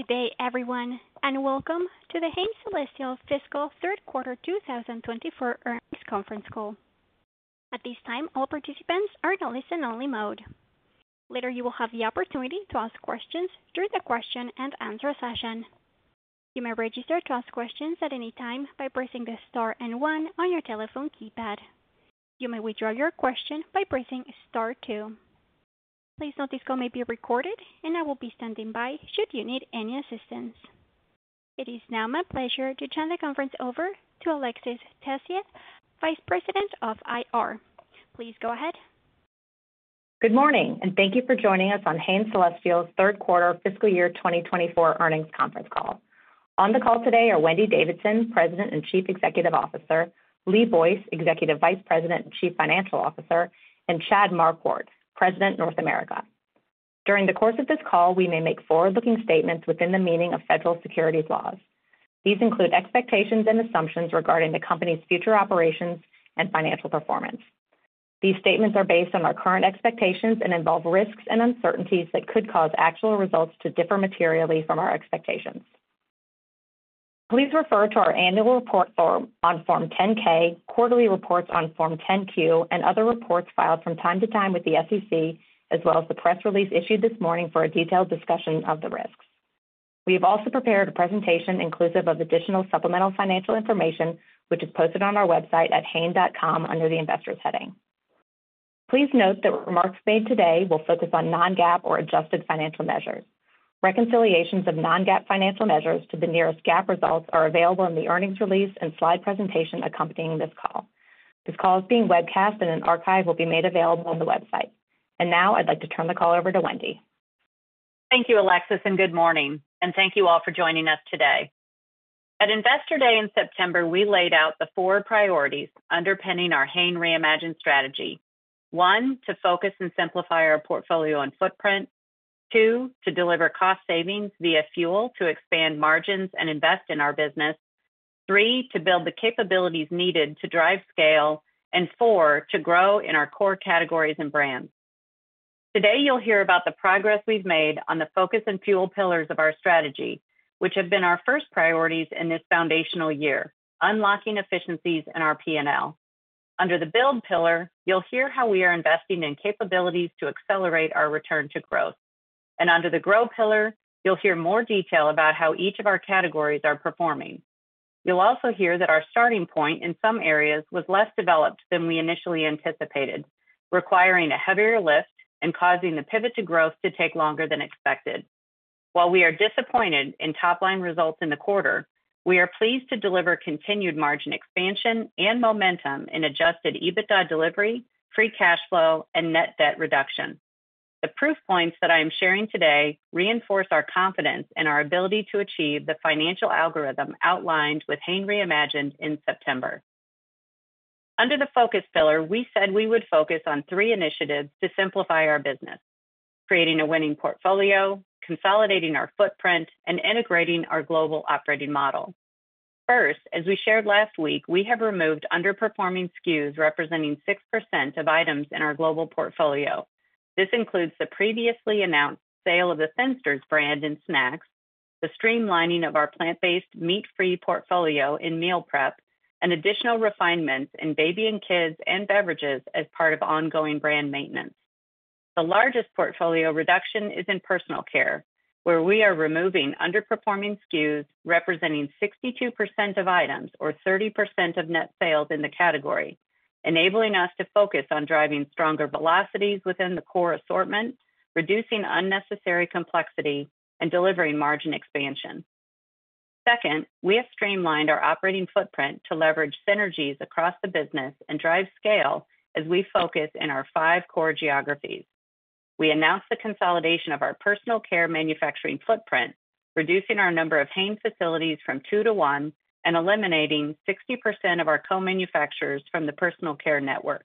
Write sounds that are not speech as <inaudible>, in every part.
Good day, everyone, and welcome to The Hain Celestial Fiscal Third Quarter 2024 earnings conference call. At this time, all participants are in a listen-only mode. Later, you will have the opportunity to ask questions during the question-and-answer session. You may register to ask questions at any time by pressing the star and one on your telephone keypad. You may withdraw your question by pressing star two. Please note this call may be recorded, and I will be standing by should you need any assistance. It is now my pleasure to turn the conference over to Alexis Tessier, Vice President of IR. Please go ahead. Good morning, and thank you for joining us on Hain Celestial's Third Quarter FY 2024 earnings conference call. On the call today are Wendy Davidson, President and Chief Executive Officer, Lee Boyce, Executive Vice President and Chief Financial Officer, and Chad Marquardt, President, North America. During the course of this call, we may make forward-looking statements within the meaning of federal securities laws. These include expectations and assumptions regarding the company's future operations and financial performance. These statements are based on our current expectations and involve risks and uncertainties that could cause actual results to differ materially from our expectations. Please refer to our annual report form on Form 10-K, quarterly reports on Form 10-Q, and other reports filed from time to time with the SEC, as well as the press release issued this morning for a detailed discussion of the risks. We have also prepared a presentation inclusive of additional supplemental financial information, which is posted on our website at hain.com under the Investors heading. Please note that remarks made today will focus on non-GAAP or adjusted financial measures. Reconciliations of non-GAAP financial measures to the nearest GAAP results are available in the earnings release and slide presentation accompanying this call. This call is being webcast, and an archive will be made available on the website. Now I'd like to turn the call over to Wendy. Thank you, Alexis, and good morning, and thank you all for joining us today. At Investor Day in September, we laid out the four priorities underpinning our Hain Reimagined strategy: one, to focus and simplify our portfolio and footprint; two, to deliver cost savings via Fuel to expand margins and invest in our business; three, to build the capabilities needed to drive scale; and four, to grow in our core categories and brands. Today, you'll hear about the progress we've made on the Focus and Fuel pillars of our strategy, which have been our first priorities in this foundational year: unlocking efficiencies in our P&L. Under the Build pillar, you'll hear how we are investing in capabilities to accelerate our return to growth. And under the Grow pillar, you'll hear more detail about how each of our categories are performing. You'll also hear that our starting point in some areas was less developed than we initially anticipated, requiring a heavier lift and causing the pivot to growth to take longer than expected. While we are disappointed in top-line results in the quarter, we are pleased to deliver continued margin expansion and momentum in adjusted EBITDA delivery, free cash flow, and net debt reduction. The proof points that I am sharing today reinforce our confidence in our ability to achieve the financial algorithm outlined with Hain Reimagined in September. Under the Focus pillar, we said we would focus on three initiatives to simplify our business: creating a winning portfolio, consolidating our footprint, and integrating our global operating model. First, as we shared last week, we have removed underperforming SKUs representing 6% of items in our global portfolio. This includes the previously announced sale of the Thinsters brand in snacks, the streamlining of our plant-based meat-free portfolio in meal prep, and additional refinements in baby and kids' beverages as part of ongoing brand maintenance. The largest portfolio reduction is in personal care, where we are removing underperforming SKUs representing 62% of items or 30% of net sales in the category, enabling us to focus on driving stronger velocities within the core assortment, reducing unnecessary complexity, and delivering margin expansion. Second, we have streamlined our operating footprint to leverage synergies across the business and drive scale as we focus in our five core geographies. We announced the consolidation of our personal care manufacturing footprint, reducing our number of Hain facilities from two to one and eliminating 60% of our co-manufacturers from the personal care network.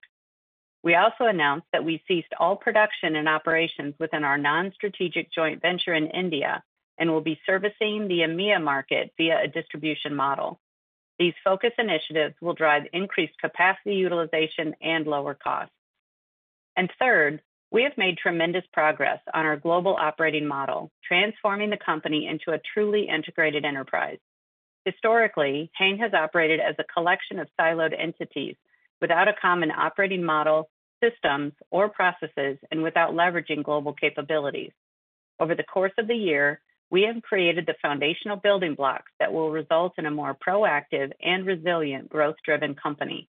We also announced that we ceased all production and operations within our non-strategic joint venture in India and will be servicing the EMEA market via a distribution model. These focus initiatives will drive increased capacity utilization and lower costs. And third, we have made tremendous progress on our global operating model, transforming the company into a truly integrated enterprise. Historically, Hain has operated as a collection of siloed entities without a common operating model, systems, or processes, and without leveraging global capabilities. Over the course of the year, we have created the foundational building blocks that will result in a more proactive and resilient growth-driven company.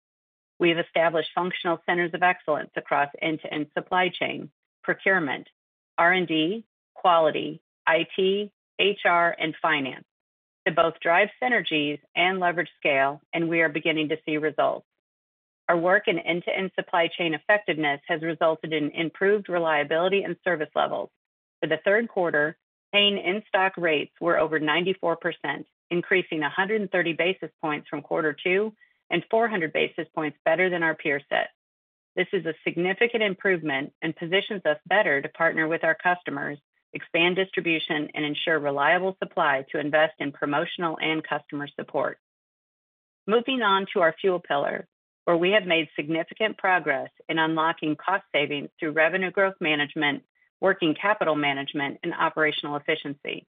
We have established functional centers of excellence across end-to-end supply chain, procurement, R&D, quality, IT, HR, and finance to both drive synergies and leverage scale, and we are beginning to see results. Our work in end-to-end supply chain effectiveness has resulted in improved reliability and service levels. For the third quarter, Hain in-stock rates were over 94%, increasing 130 basis points from quarter two and 400 basis points better than our peer set. This is a significant improvement and positions us better to partner with our customers, expand distribution, and ensure reliable supply to invest in promotional and customer support. Moving on to our Fuel pillar, where we have made significant progress in unlocking cost savings through revenue growth management, working capital management, and operational efficiency.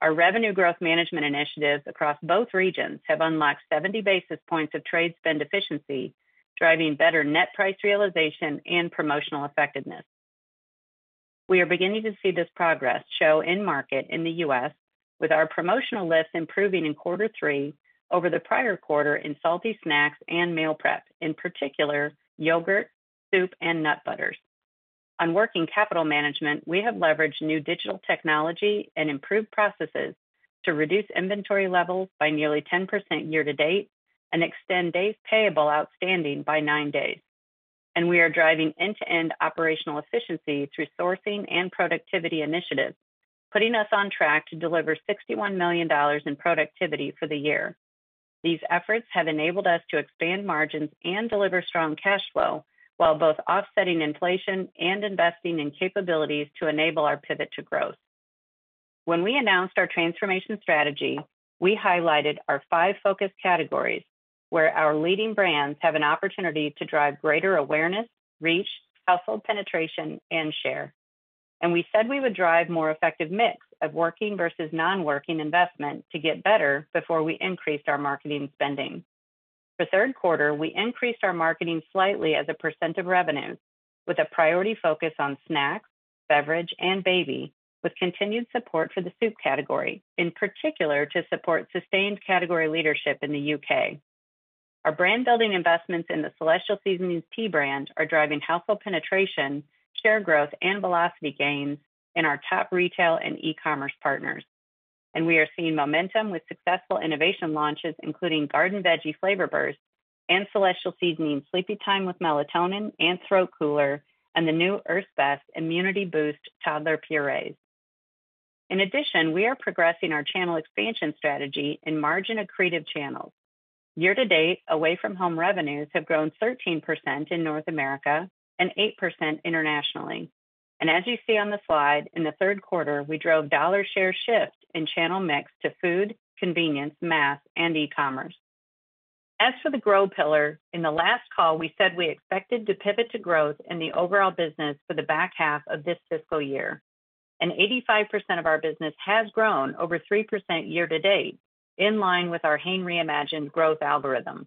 Our revenue growth management initiatives across both regions have unlocked 70 basis points of trade spend efficiency, driving better net price realization and promotional effectiveness. We are beginning to see this progress show in market in the U.S., with our promotional lifts improving in quarter three over the prior quarter in salty snacks and meal prep, in particular yogurt, soup, and nut butters. On working capital management, we have leveraged new digital technology and improved processes to reduce inventory levels by nearly 10% year-to-date and extend days payable outstanding by nine days. We are driving end-to-end operational efficiency through sourcing and productivity initiatives, putting us on track to deliver $61 million in productivity for the year. These efforts have enabled us to expand margins and deliver strong cash flow while both offsetting inflation and investing in capabilities to enable our pivot to growth. When we announced our transformation strategy, we highlighted our five focus categories, where our leading brands have an opportunity to drive greater awareness, reach, household penetration, and share. We said we would drive a more effective mix of working versus non-working investment to get better before we increased our marketing spending. For third quarter, we increased our marketing slightly as a percent of revenue, with a priority focus on snacks, beverage, and baby, with continued support for the soup category, in particular to support sustained category leadership in the U.K. Our brand-building investments in the Celestial Seasonings tea brand are driving household penetration, share growth, and velocity gains in our top retail and e-commerce partners. We are seeing momentum with successful innovation launches, including Garden Veggie Flavor Burst and Celestial Seasonings Sleepytime with Melatonin and Throat Cooler, and the new Earth's Best Immunity Boost Toddler Purees. In addition, we are progressing our channel expansion strategy in margin accretive channels. Year-to-date, away-from-home revenues have grown 13% in North America and 8% internationally. As you see on the slide, in third quarter, we drove dollar-share shift in channel mix to food, convenience, mass, and e-commerce. As for the Grow pillar, in the last call, we said we expected to pivot to growth in the overall business for the back half of this fiscal year. And 85% of our business has grown over 3% year-to-date, in line with our Hain Reimagined growth algorithm.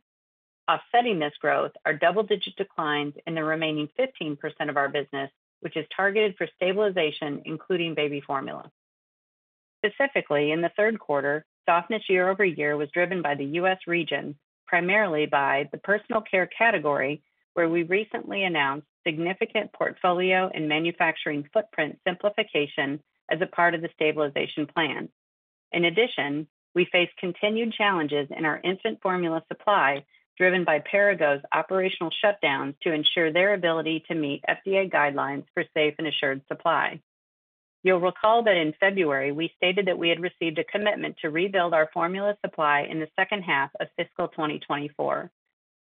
Offsetting this growth are double-digit declines in the remaining 15% of our business, which is targeted for stabilization, including baby formula. Specifically, in the third quarter, softness year-over-year was driven by the U.S. region, primarily by the personal care category, where we recently announced significant portfolio and manufacturing footprint simplification as a part of the stabilization plan. In addition, we face continued challenges in our infant formula supply, driven by Perrigo's operational shutdowns to ensure their ability to meet FDA guidelines for safe and assured supply. You'll recall that in February, we stated that we had received a commitment to rebuild our formula supply in the second half of fiscal 2024.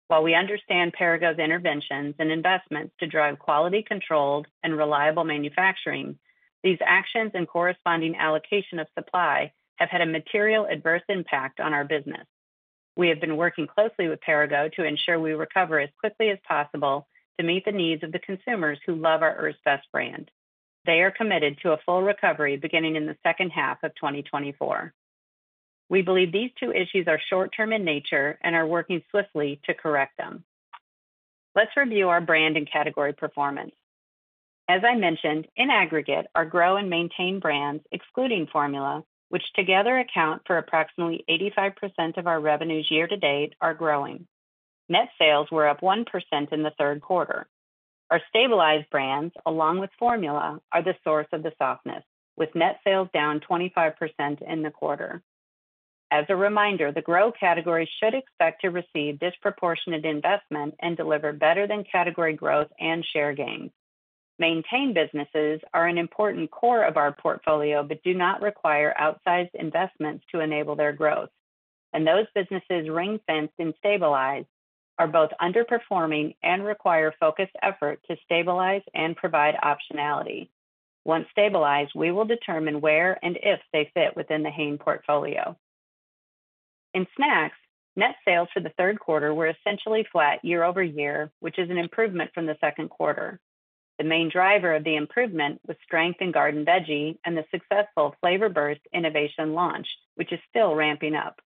While we understand Perrigo's interventions and investments to drive quality-controlled and reliable manufacturing, these actions and corresponding allocation of supply have had a material adverse impact on our business. We have been working closely with Perrigo to ensure we recover as quickly as possible to meet the needs of the consumers who love our Earth's Best brand. They are committed to a full recovery beginning in the second half of 2024. We believe these two issues are short-term in nature and are working swiftly to correct them. Let's review our brand and category performance. As I mentioned, in aggregate, our Grow and Maintain brands, excluding formula, which together account for approximately 85% of our revenues year-to-date, are growing. Net sales were up 1% in the third quarter. Our Stabilized brands, along with formula, are the source of the softness, with net sales down 25% in the quarter. As a reminder, the Grow category should expect to receive disproportionate investment and deliver better than category growth and share gains. Maintain businesses are an important core of our portfolio but do not require outsized investments to enable their growth. Those businesses ring-fenced and stabilized are both underperforming and require focused effort to stabilize and provide optionality. Once stabilized, we will determine where and if they fit within the Hain portfolio. In snacks, net sales for the third quarter were essentially flat year-over-year, which is an improvement from the second quarter. The main driver of the improvement was strength in Garden Veggie and the successful Flavor Burst innovation launch, which is still ramping up.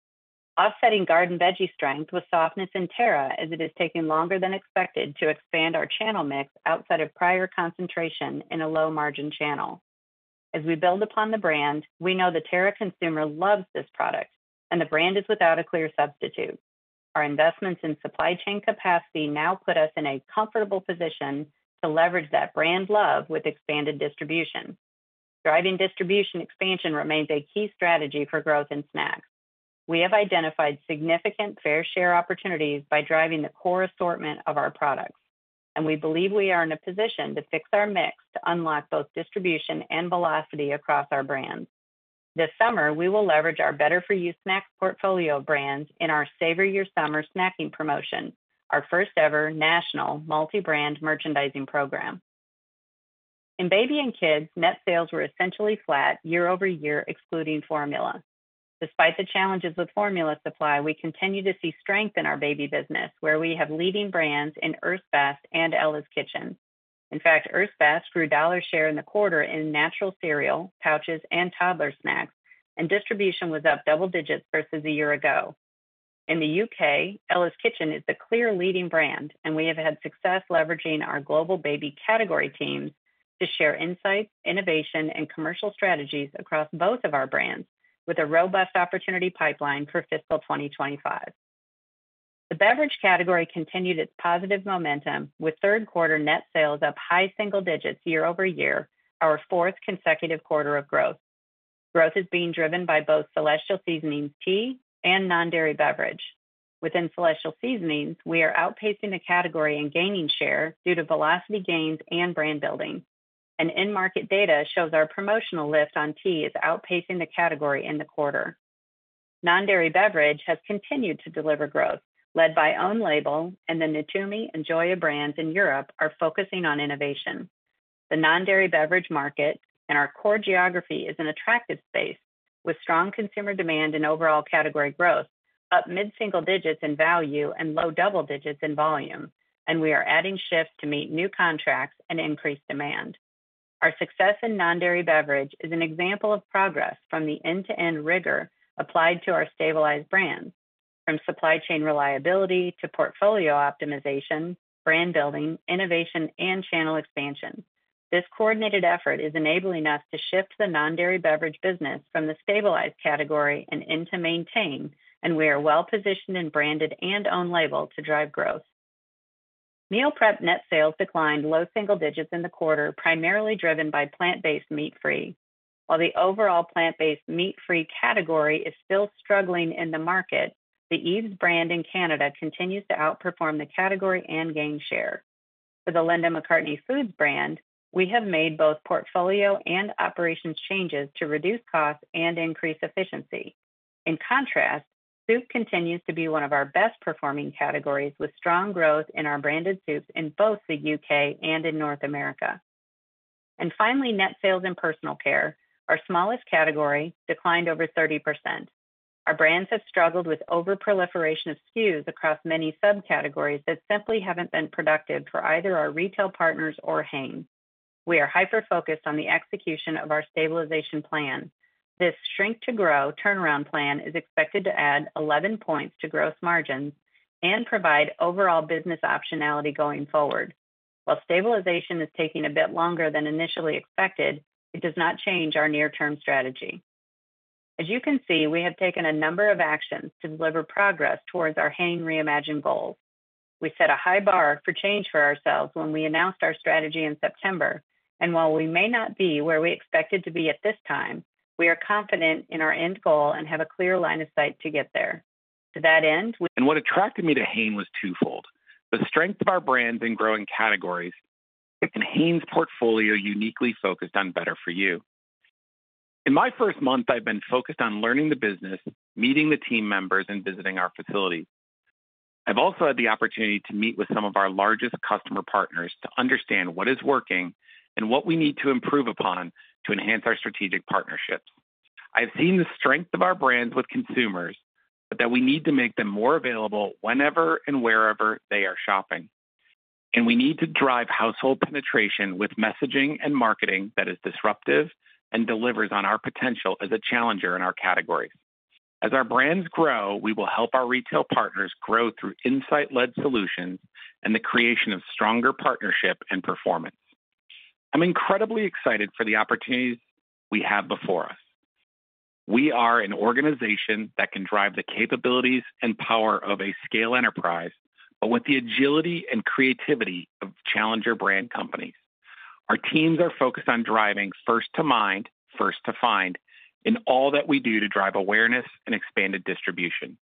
Offsetting Garden Veggie strength was softness in Terra, as it is taking longer than expected to expand our channel mix outside of prior concentration in a low-margin channel. As we build upon the brand, we know the Terra consumer loves this product, and the brand is without a clear substitute. Our investments in supply chain capacity now put us in a comfortable position to leverage that brand love with expanded distribution. Driving distribution expansion remains a key strategy for growth in snacks. We have identified significant fair share opportunities by driving the core assortment of our products. And we believe we are in a position to fix our mix to unlock both distribution and velocity across our brands. This summer, we will leverage our better-for-you snacks portfolio brands in our Savor Your Summer snacking promotion, our first-ever national multi-brand merchandising program. In baby and kids, net sales were essentially flat year-over-year, excluding formula. Despite the challenges with formula supply, we continue to see strength in our baby business, where we have leading brands in Earth's Best and Ella's Kitchen. In fact, Earth's Best grew dollar share in the quarter in natural cereal, pouches, and toddler snacks, and distribution was up double digits versus a year ago. In the U.K., Ella's Kitchen is the clear leading brand, and we have had success leveraging our global baby category teams to share insights, innovation, and commercial strategies across both of our brands with a robust opportunity pipeline for fiscal 2025. The beverage category continued its positive momentum, with third quarter net sales up high single digits year-over-year, our fourth consecutive quarter of growth. Growth is being driven by both Celestial Seasonings tea and non-dairy beverage. Within Celestial Seasonings, we are outpacing the category and gaining share due to velocity gains and brand building. In-market data shows our promotional lift on tea is outpacing the category in the quarter. Non-dairy beverage has continued to deliver growth, led by Own Label, and the Natumi and Joya brands in Europe are focusing on innovation. The non-dairy beverage market and our core geography is an attractive space, with strong consumer demand and overall category growth up mid-single digits in value and low double digits in volume. We are adding shifts to meet new contracts and increase demand. Our success in non-dairy beverage is an example of progress from the end-to-end rigor applied to our stabilized brands, from supply chain reliability to portfolio optimization, brand building, innovation, and channel expansion. This coordinated effort is enabling us to shift the non-dairy beverage business from the stabilized category and into maintain, and we are well-positioned and branded and Own Label to drive growth. Meal prep net sales declined low single digits in the quarter, primarily driven by plant-based meat-free. While the overall plant-based meat-free category is still struggling in the market, the Yves brand in Canada continues to outperform the category and gain share. For the Linda McCartney Foods brand, we have made both portfolio and operations changes to reduce costs and increase efficiency. In contrast, soup continues to be one of our best-performing categories, with strong growth in our branded soups in both the U.K. and in North America. Finally, net sales in personal care, our smallest category, declined over 30%. Our brands have struggled with over-proliferation of SKUs across many subcategories that simply haven't been productive for either our retail partners or Hain. We are hyper-focused on the execution of our stabilization plan. This shrink-to-grow turnaround plan is expected to add 11 points to gross margins and provide overall business optionality going forward. While stabilization is taking a bit longer than initially expected, it does not change our near-term strategy. As you can see, we have taken a number of actions to deliver progress towards our Hain Reimagined goals. We set a high bar for change for ourselves when we announced our strategy in September. And while we may not be where we expected to be at this time, we are confident in our end goal and have a clear line of sight to get there. To that end, we. What attracted me to Hain was twofold: the strength of our brands in growing categories and Hain's portfolio uniquely focused on better for you. In my first month, I've been focused on learning the business, meeting the team members, and visiting our facility. I've also had the opportunity to meet with some of our largest customer partners to understand what is working and what we need to improve upon to enhance our strategic partnerships. I have seen the strength of our brands with consumers, but that we need to make them more available whenever and wherever they are shopping. We need to drive household penetration with messaging and marketing that is disruptive and delivers on our potential as a challenger in our categories. As our brands grow, we will help our retail partners grow through insight-led solutions and the creation of stronger partnership and performance. I'm incredibly excited for the opportunities we have before us. We are an organization that can drive the capabilities and power of a scale enterprise, but with the agility and creativity of challenger brand companies. Our teams are focused on driving First to Mind, First to Find in all that we do to drive awareness and expanded distribution.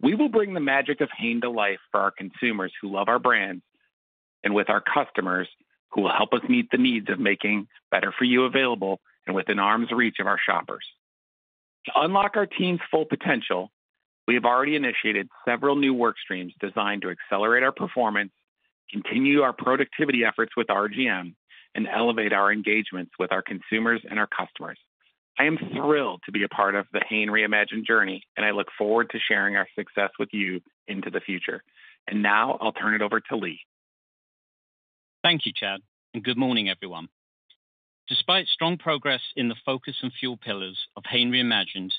We will bring the magic of Hain to life for our consumers who love our brands and with our customers who will help us meet the needs of making better for you available and within arm's reach of our shoppers. To unlock our team's full potential, we have already initiated several new work streams designed to accelerate our performance, continue our productivity efforts with RGM, and elevate our engagements with our consumers and our customers. I am thrilled to be a part of the Hain Reimagined journey, and I look forward to sharing our success with you into the future. Now I'll turn it over to Lee. Thank you, Chad, and good morning, everyone. Despite strong progress in the Focus and Fuel pillars of Hain Reimagined,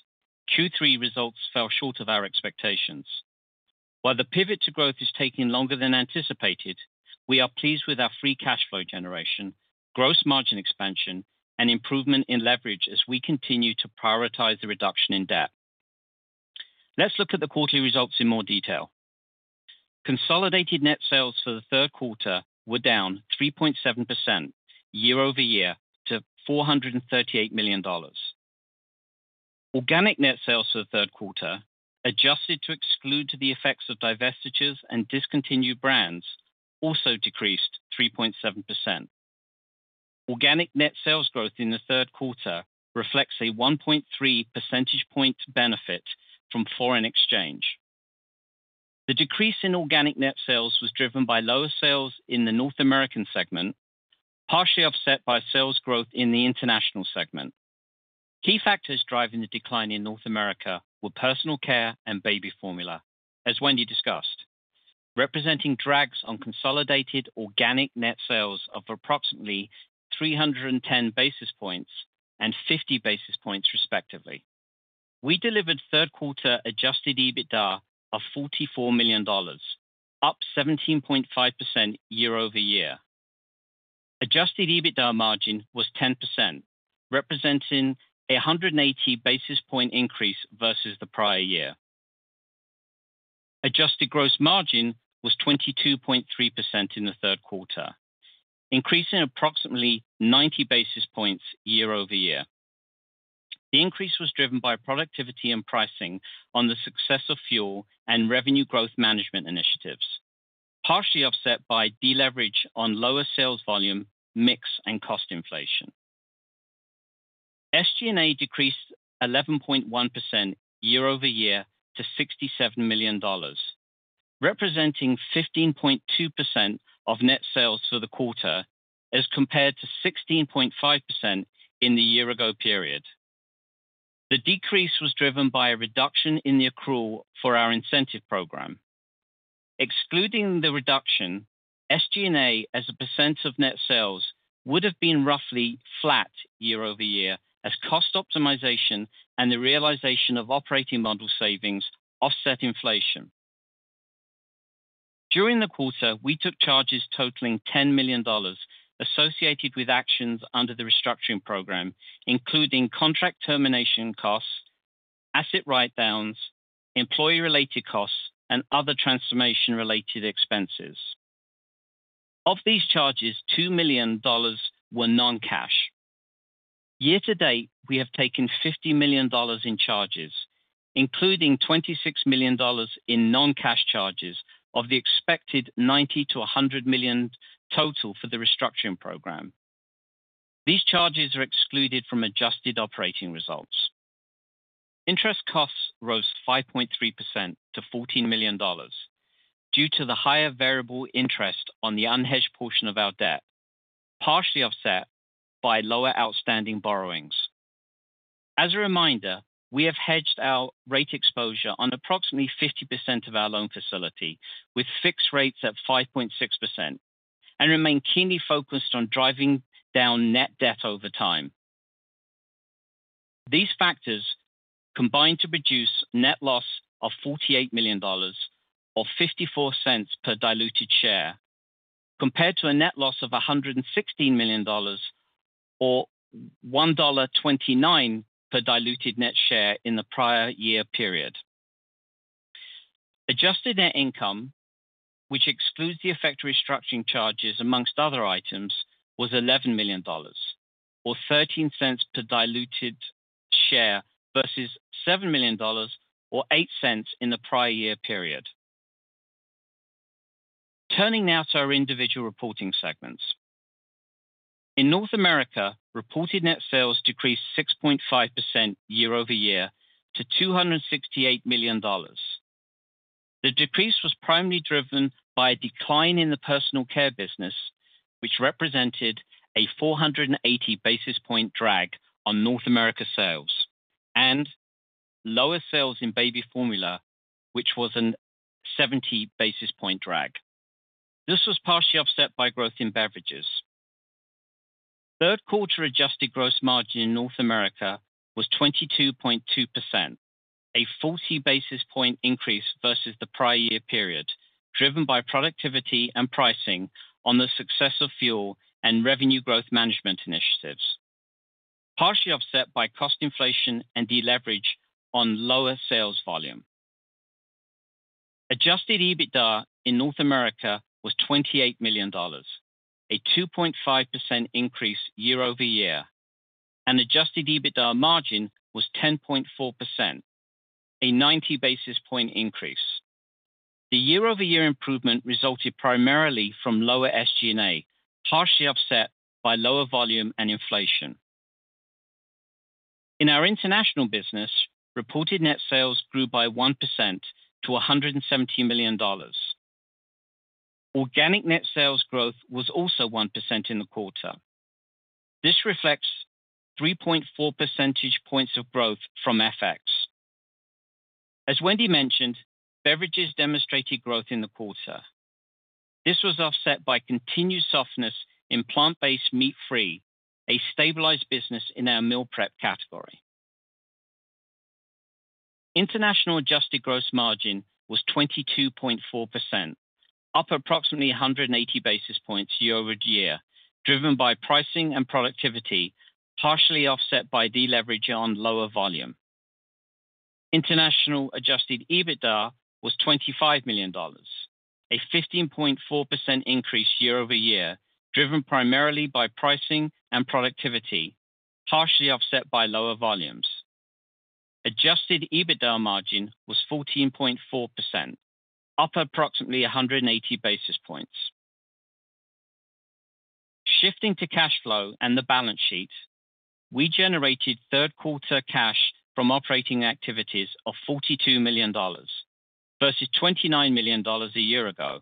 Q3 results fell short of our expectations. While the pivot to growth is taking longer than anticipated, we are pleased with our free cash flow generation, gross margin expansion, and improvement in leverage as we continue to prioritize the reduction in debt. Let's look at the quarterly results in more detail. Consolidated net sales for the third quarter were down 3.7% year-over-year to $438 million. Organic net sales for third quarter, adjusted to exclude the effects of divestitures and discontinued brands, also decreased 3.7%. Organic net sales growth in the third quarter reflects a 1.3 percentage point benefit from foreign exchange. The decrease in organic net sales was driven by lower sales in the North American segment, partially offset by sales growth in the international segment. Key factors driving the decline in North America were personal care and baby formula, as Wendy discussed, representing drags on consolidated organic net sales of approximately 310 basis points and 50 basis points, respectively. We delivered third quarter adjusted EBITDA of $44 million, up 17.5% year-over-year. Adjusted EBITDA margin was 10%, representing a 180 basis point increase versus the prior year. Adjusted gross margin was 22.3% in the third quarter, increasing approximately 90 basis points year-over-year. The increase was driven by productivity and pricing on the success of fuel and revenue growth management initiatives, partially offset by deleverage on lower sales volume mix and cost inflation. SG&A decreased 11.1% year-over-year to $67 million, representing 15.2% of net sales for the quarter as compared to 16.5% in the year-ago period. The decrease was driven by a reduction in the accrual for our incentive program. Excluding the reduction, SG&A as a percent of net sales would have been roughly flat year-over-year as cost optimization and the realization of operating model savings offset inflation. During the quarter, we took charges totaling $10 million associated with actions under the restructuring program, including contract termination costs, asset write-downs, employee-related costs, and other transformation-related expenses. Of these charges, $2 million were non-cash. year-to-date, we have taken $50 million in charges, including $26 million in non-cash charges of the expected $90 million-$100 million total for the restructuring program. These charges are excluded from adjusted operating results. Interest costs rose 5.3% to $14 million due to the higher variable interest on the unhedged portion of our debt, partially offset by lower outstanding borrowings. As a reminder, we have hedged our rate exposure on approximately 50% of our loan facility, with fixed rates at 5.6%, and remain keenly focused on driving down net debt over time. These factors combine to produce net loss of $48 million or $0.54 per diluted share, compared to a net loss of $116 million or $1.29 per diluted net share in the prior year period. Adjusted net income, which excludes the effect of restructuring charges among other items, was $11 million or $0.13 per diluted share versus $7 million or $0.08 in the prior year period. Turning now to our individual reporting segments. In North America, reported net sales decreased 6.5% year-over-year to $268 million. The decrease was primarily driven by a decline in the personal care business, which represented a 480 basis point drag on North America sales, and lower sales in baby formula, which was a 70 basis point drag. This was partially offset by growth in beverages. Third quarter adjusted gross margin in North America was 22.2%, a 40 basis point increase versus the prior year period, driven by productivity and pricing on the success of fuel and Revenue Growth Management initiatives, partially offset by cost inflation and deleverage on lower sales volume. Adjusted EBITDA in North America was $28 million, a 2.5% increase year-over-year. Adjusted EBITDA margin was 10.4%, a 90 basis point increase. The year-over-year improvement resulted primarily from lower SG&A, partially offset by lower volume and inflation. In our international business, reported net sales grew by 1% to $170 million. Organic net sales growth was also 1% in the quarter. This reflects 3.4 percentage points of growth from FX. As Wendy mentioned, beverages demonstrated growth in the quarter. This was offset by continued softness in plant-based meat-free, a stabilized business in our meal prep category. International adjusted gross margin was 22.4%, up approximately 180 basis points year-over-year, driven by pricing and productivity, partially offset by deleverage on lower volume. International adjusted EBITDA was $25 million, a 15.4% increase year-over-year, driven primarily by pricing and productivity, partially offset by lower volumes. Adjusted EBITDA margin was 14.4%, up approximately 180 basis points. Shifting to cash flow and the balance sheet, we generated third quarter cash from operating activities of $42 million versus $29 million a year ago.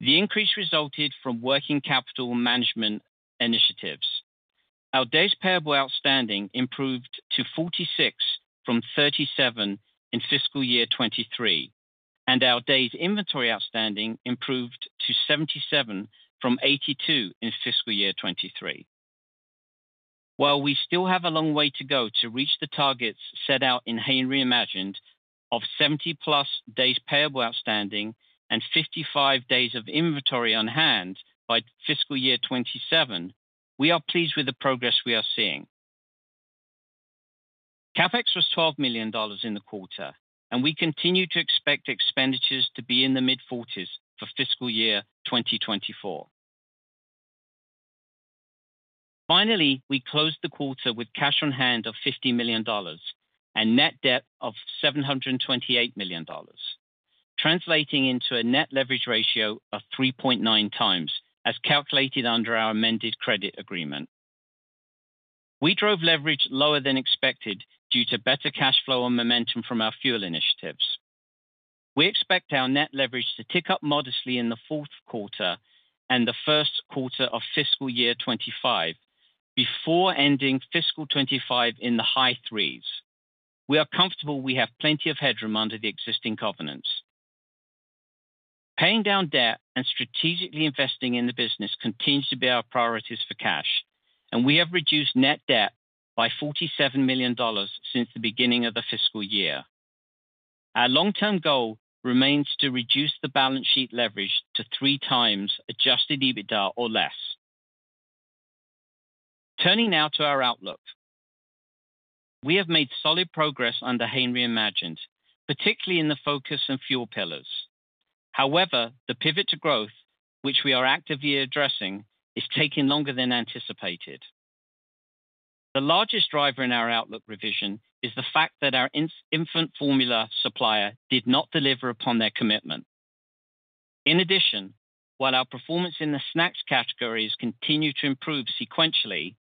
The increase resulted from working capital management initiatives. Our days payable outstanding improved to 46 from 37 in fiscal year 2023, and our days inventory outstanding improved to 77 from 82 in fiscal year 2023. While we still have a long way to go to reach the targets set out in Hain Reimagined of 70+ days payable outstanding and 55 days of inventory on hand by fiscal year 2027, we are pleased with the progress we are seeing. CapEx was $12 million in the quarter, and we continue to expect expenditures to be in the mid-40s for fiscal year 2024. Finally, we closed the quarter with cash on hand of $50 million and net debt of $728 million, translating into a net leverage ratio of 3.9x, as calculated under our amended credit agreement. We drove leverage lower than expected due to better cash flow and momentum from our fuel initiatives. We expect our net leverage to tick up modestly in the fourth quarter and the first quarter of fiscal year 2025, before ending fiscal 2025 in the high threes. We are comfortable we have plenty of headroom under the existing covenants. Paying down debt and strategically investing in the business continues to be our priorities for cash, and we have reduced net debt by $47 million since the beginning of the fiscal year. Our long-term goal remains to reduce the balance sheet leverage to 3x adjusted EBITDA or less. Turning now to our outlook. We have made solid progress under Hain Reimagined, particularly in the Focus and Fuel pillars. However, the pivot to growth, which we are actively addressing, is taking longer than anticipated. The largest driver in our outlook revision is the fact that our infant formula supplier did not deliver upon their commitment. In addition, while our performance in the snacks categories continues to improve sequentially,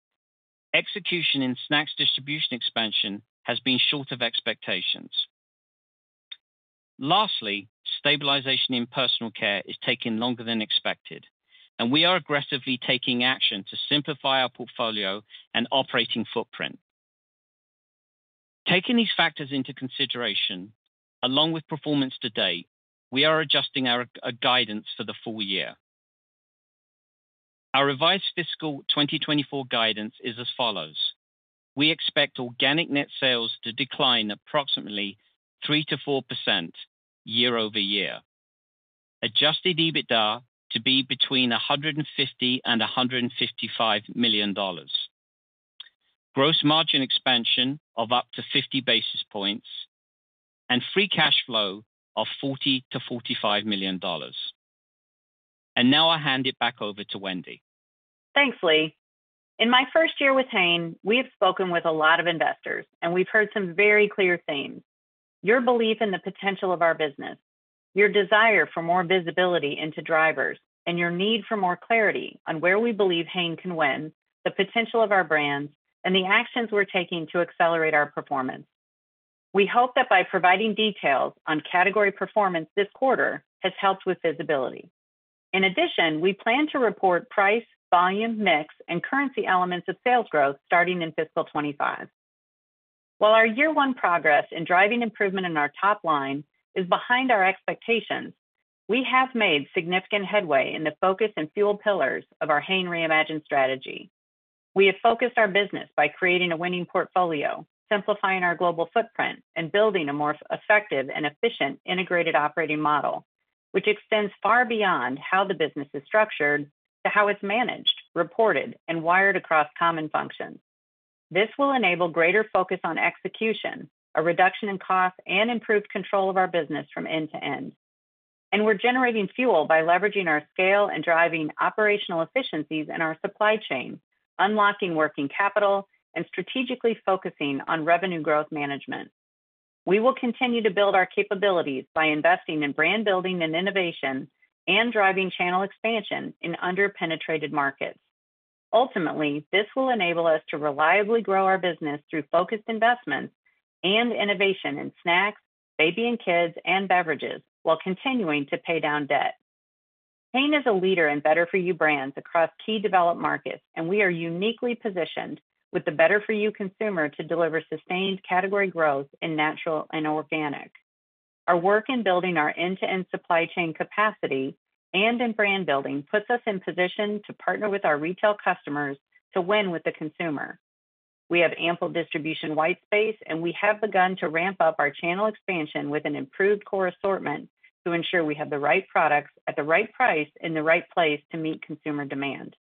execution in snacks distribution expansion has been short of expectations. Lastly, stabilization in personal care is taking longer than expected, and we are aggressively taking action to simplify our portfolio and operating footprint. Taking these factors into consideration, along with performance to date, we are adjusting our guidance for the full year. Our revised fiscal 2024 guidance is as follows. We expect organic net sales to decline approximately 3%-4% year-over-year, adjusted EBITDA to be between $150 and $155 million, gross margin expansion of up to 50 basis points, and free cash flow of $40 million-$45 million. And now I hand it back over to Wendy. Thanks, Lee. In my first year with Hain, we have spoken with a lot of investors, and we've heard some very clear themes. Your belief in the potential of our business, your desire for more visibility into drivers, and your need for more clarity on where we believe Hain can win, the potential of our brands, and the actions we're taking to accelerate our performance. We hope that by providing details on category performance this quarter, has helped with visibility. In addition, we plan to report price, volume, mix, and currency elements of sales growth starting in fiscal 2025. While our year-one progress in driving improvement in our top line is behind our expectations, we have made significant headway in the Focus and Fuel pillars of our Hain Reimagined strategy. We have focused our business by creating a winning portfolio, simplifying our global footprint, and building a more effective and efficient integrated operating model, which extends far beyond how the business is structured to how it's managed, reported, and wired across common functions. This will enable greater focus on execution, a reduction in cost, and improved control of our business from end to end. We're generating fuel by leveraging our scale and driving operational efficiencies in our supply chain, unlocking working capital, and strategically focusing on revenue growth management. We will continue to build our capabilities by investing in brand building and innovation and driving channel expansion in under-penetrated markets. Ultimately, this will enable us to reliably grow our business through focused investments and innovation in snacks, baby and kids, and beverages while continuing to pay down debt. Hain is a leader in Better For You brands across key developed markets, and we are uniquely positioned with the Better For You consumer to deliver sustained category growth in natural and organic. Our work in building our end-to-end supply chain capacity and in brand building puts us in position to partner with our retail customers to win with the consumer. We have ample distribution whitespace, and we have begun to ramp up our channel expansion with an improved core assortment to ensure we have the right products at the right price in the right place to meet consumer demand.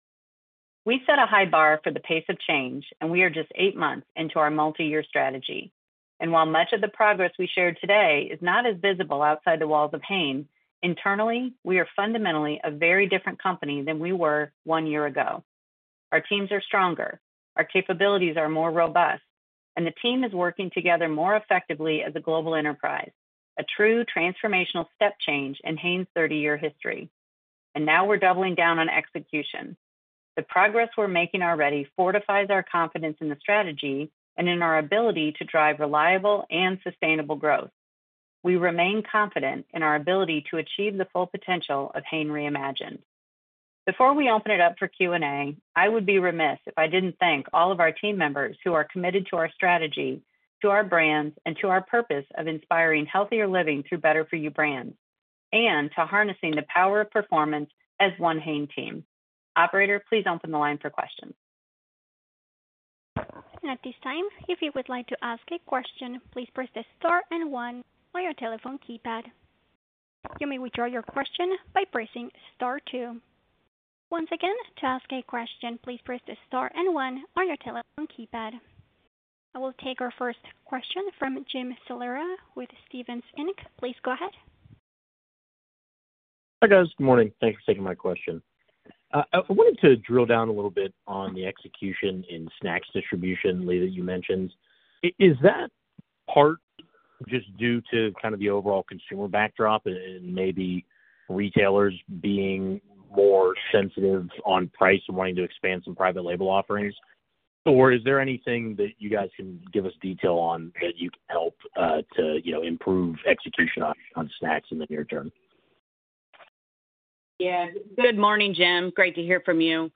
We set a high bar for the pace of change, and we are just eight months into our multi-year strategy. And while much of the progress we shared today is not as visible outside the walls of Hain, internally, we are fundamentally a very different company than we were one year ago. Our teams are stronger, our capabilities are more robust, and the team is working together more effectively as a global enterprise, a true transformational step change in Hain's 30-year history. And now we're doubling down on execution. The progress we're making already fortifies our confidence in the strategy and in our ability to drive reliable and sustainable growth. We remain confident in our ability to achieve the full potential of Hain Reimagined. Before we open it up for Q&A, I would be remiss if I didn't thank all of our team members who are committed to our strategy, to our brands, and to our purpose of inspiring healthier living through Better For You brands, and to harnessing the power of performance as one Hain team. Operator, please open the line for questions. At this time, if you would like to ask a question, please press the star and one on your telephone keypad. You may withdraw your question by pressing star two. Once again, to ask a question, please press the star and one on your telephone keypad. I will take our first question from Jim Salera with Stephens Inc. Please go ahead. Hi guys, good morning. Thanks for taking my question. I wanted to drill down a little bit on the execution in snacks distribution, Lee, that you mentioned. Is that part just due to kind of the overall consumer backdrop and maybe retailers being more sensitive on price and wanting to expand some private label offerings? Or is there anything that you guys can give us detail on that you can help to improve execution on snacks in the near term? Yeah. Good morning, Jim. Great to hear from you.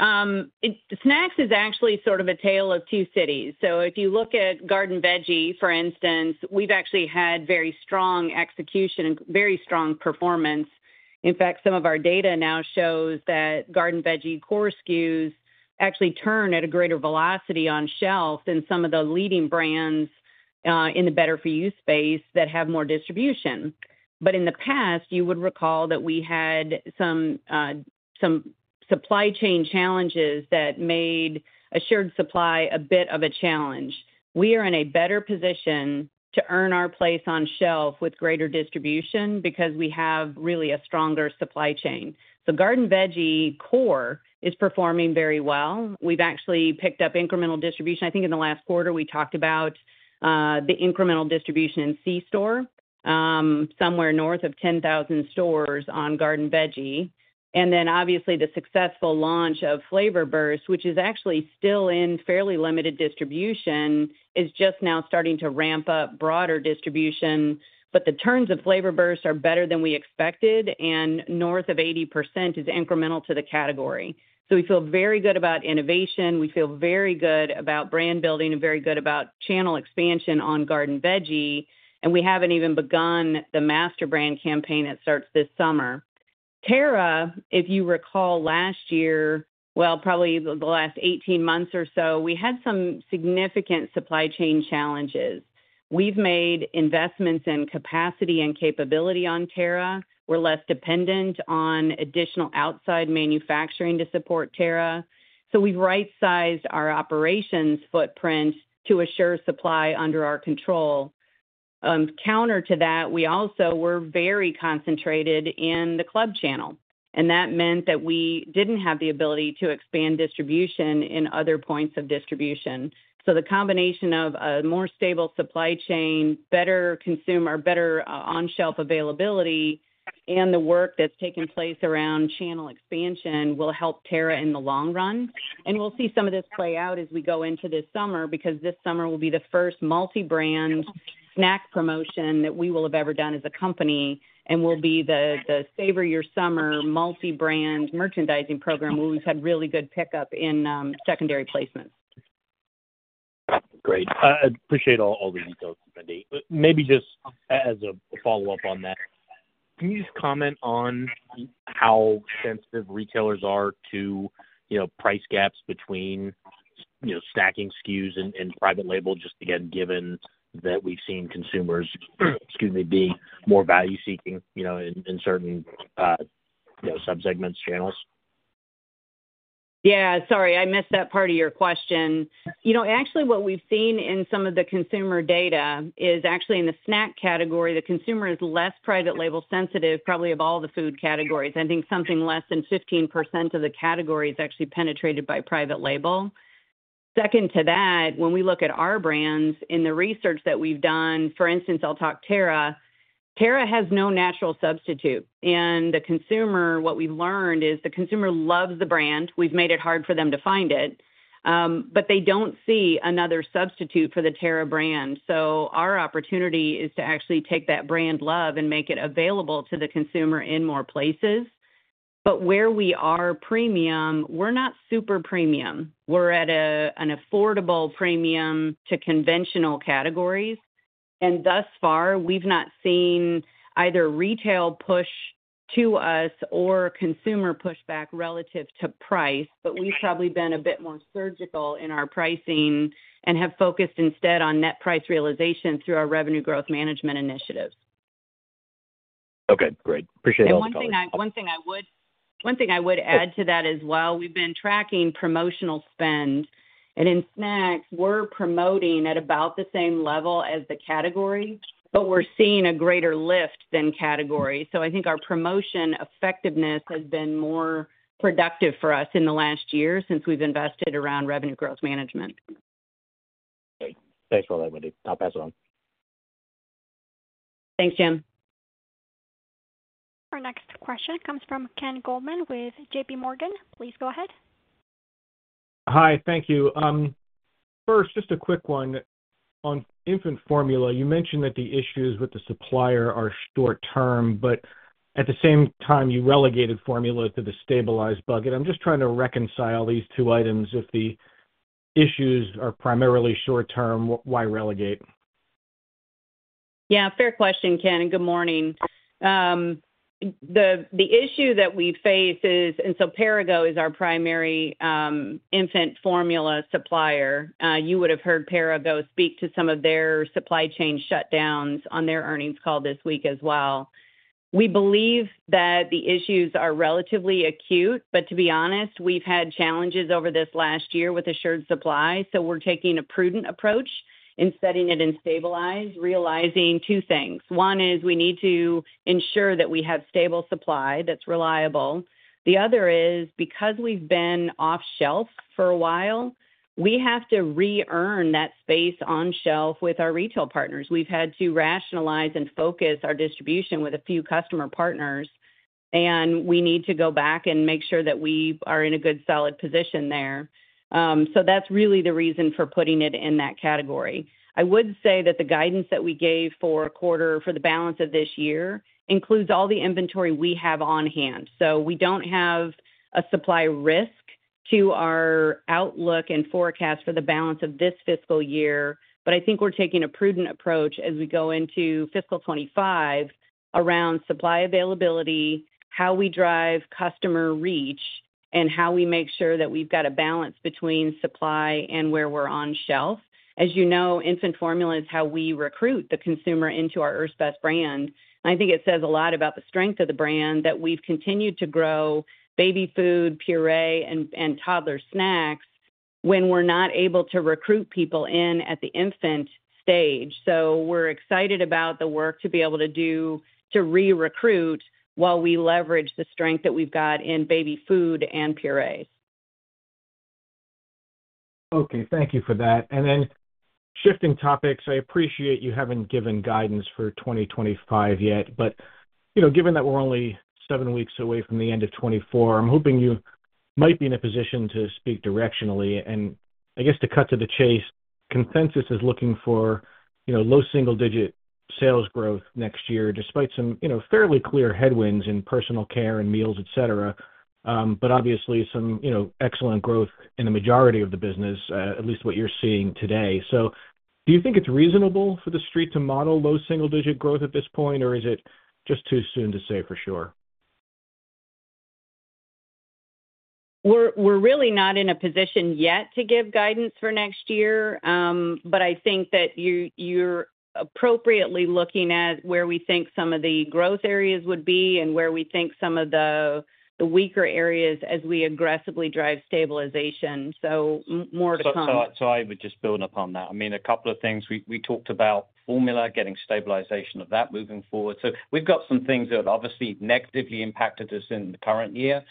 Snacks is actually sort of a tale of two cities. So if you look at Garden Veggie, for instance, we've actually had very strong execution and very strong performance. In fact, some of our data now shows that Garden Veggie core SKUs actually turn at a greater velocity on shelf than some of the leading brands in the Better For You space that have more distribution. But in the past, you would recall that we had some supply chain challenges that made a shared supply a bit of a challenge. We are in a better position to earn our place on shelf with greater distribution because we have really a stronger supply chain. So Garden Veggie core is performing very well. We've actually picked up incremental distribution. I think in the last quarter, we talked about the incremental distribution in C-Store, somewhere north of 10,000 stores on Garden Veggie. And then obviously, the successful launch of Flavor Burst, which is actually still in fairly limited distribution, is just now starting to ramp up broader distribution. But the turns of Flavor Burst are better than we expected, and north of 80% is incremental to the category. So we feel very good about innovation. We feel very good about brand building and very good about channel expansion on Garden Veggie. And we haven't even begun the master brand campaign that starts this summer. Terra, if you recall last year, well, probably the last 18 months or so, we had some significant supply chain challenges. We've made investments in capacity and capability on Terra. We're less dependent on additional outside manufacturing to support Terra. So we've right-sized our operations footprint to assure supply under our control. Counter to that, we also were very concentrated in the club channel. And that meant that we didn't have the ability to expand distribution in other points of distribution. So the combination of a more stable supply chain, better consumer, better on-shelf availability, and the work that's taken place around channel expansion will help Terra in the long run. And we'll see some of this play out as we go into this summer because this summer will be the first multi-brand snack promotion that we will have ever done as a company and will be the Savor Your Summer multi-brand merchandising program where we've had really good pickup in secondary placements. Great. I appreciate all the details, Wendy. Maybe just as a follow-up on that, can you just comment on how sensitive retailers are to price gaps between snacking SKUs and private label, just again, given that we've seen consumers, excuse me, being more value-seeking in certain subsegments, channels? Yeah, sorry, I missed that part of your question. Actually, what we've seen in some of the consumer data is actually in the snack category, the consumer is less private label sensitive, probably of all the food categories. I think something less than 15% of the categories actually penetrated by private label. Second to that, when we look at our brands, in the research that we've done, for instance, I'll talk Terra. Terra has no natural substitute. And the consumer, what we've learned, is the consumer loves the brand. We've made it hard for them to find it. But they don't see another substitute for the Terra brand. So our opportunity is to actually take that brand love and make it available to the consumer in more places. But where we are premium, we're not super premium. We're at an affordable premium to conventional categories. Thus far, we've not seen either retail push to us or consumer pushback relative to price. We've probably been a bit more surgical in our pricing and have focused instead on net price realization through our revenue growth management initiatives. Okay, great. Appreciate all the colors. One thing I would add to that as well, we've been tracking promotional spend. In snacks, we're promoting at about the same level as the category, but we're seeing a greater lift than category. I think our promotion effectiveness has been more productive for us in the last year since we've invested around revenue growth management. Thanks for all that, Wendy. I'll pass it on. Thanks, Jim. Our next question comes from Ken Goldman with JPMorgan. Please go ahead. Hi, thank you. First, just a quick one. On infant formula, you mentioned that the issues with the supplier are short-term, but at the same time, you relegated formula to the stabilized bucket. I'm just trying to reconcile these two items. If the issues are primarily short-term, why relegate? Yeah, fair question, Ken, and good morning. The issue that we face is, and so Perrigo is our primary infant formula supplier. You would have heard Perrigo speak to some of their supply chain shutdowns on their earnings call this week as well. We believe that the issues are relatively acute, but to be honest, we've had challenges over this last year with assured supply. So we're taking a prudent approach in setting it in stabilized, realizing two things. One is we need to ensure that we have stable supply that's reliable. The other is because we've been off-shelf for a while, we have to re-earn that space on shelf with our retail partners. We've had to rationalize and focus our distribution with a few customer partners. And we need to go back and make sure that we are in a good solid position there. That's really the reason for putting it in that category. I would say that the guidance that we gave for the balance of this year includes all the inventory we have on hand. We don't have a supply risk to our outlook and forecast for the balance of this fiscal year. I think we're taking a prudent approach as we go into fiscal 2025 around supply availability, how we drive customer reach, and how we make sure that we've got a balance between supply and where we're on shelf. As you know, infant formula is how we recruit the consumer into our Earth's Best brand. I think it says a lot about the strength of the brand that we've continued to grow baby food, puree, and toddler snacks when we're not able to recruit people in at the infant stage. So we're excited about the work to be able to do to recruit while we leverage the strength that we've got in baby food and purees. Okay, thank you for that. And then shifting topics, I appreciate you haven't given guidance for 2025 yet. But given that we're only seven weeks away from the end of 2024, I'm hoping you might be in a position to speak directionally. And I guess to cut to the chase, consensus is looking for low single-digit sales growth next year despite some fairly clear headwinds in personal care and meals, etc. But obviously, some excellent growth in the majority of the business, at least what you're seeing today. So do you think it's reasonable for the street to model low single-digit growth at this point, or is it just too soon to say for sure? We're really not in a position yet to give guidance for next year. But I think that you're appropriately looking at where we think some of the growth areas would be and where we think some of the weaker areas as we aggressively drive stabilization. So more to come. So I would just build upon that. I mean, a couple of things. We talked about formula, getting stabilization of that moving forward. So we've got some things that obviously negatively impacted us in the current year.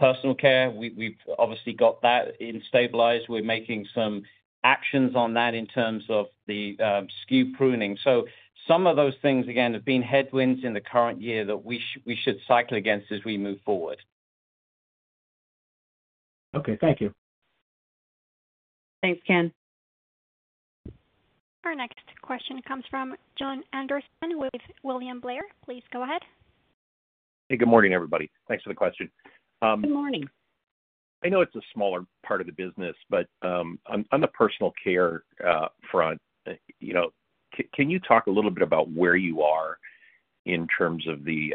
Personal care, we've obviously got that in stabilized. We're making some actions on that in terms of the SKU pruning. So some of those things, again, have been headwinds in the current year that we should cycle against as we move forward. Okay, thank you. Thanks, Ken. Our next question comes from Jon Andersen with William Blair. Please go ahead. Hey, good morning, everybody. Thanks for the question. Good morning. I know it's a smaller part of the business, but on the personal care front, can you talk a little bit about where you are in terms of the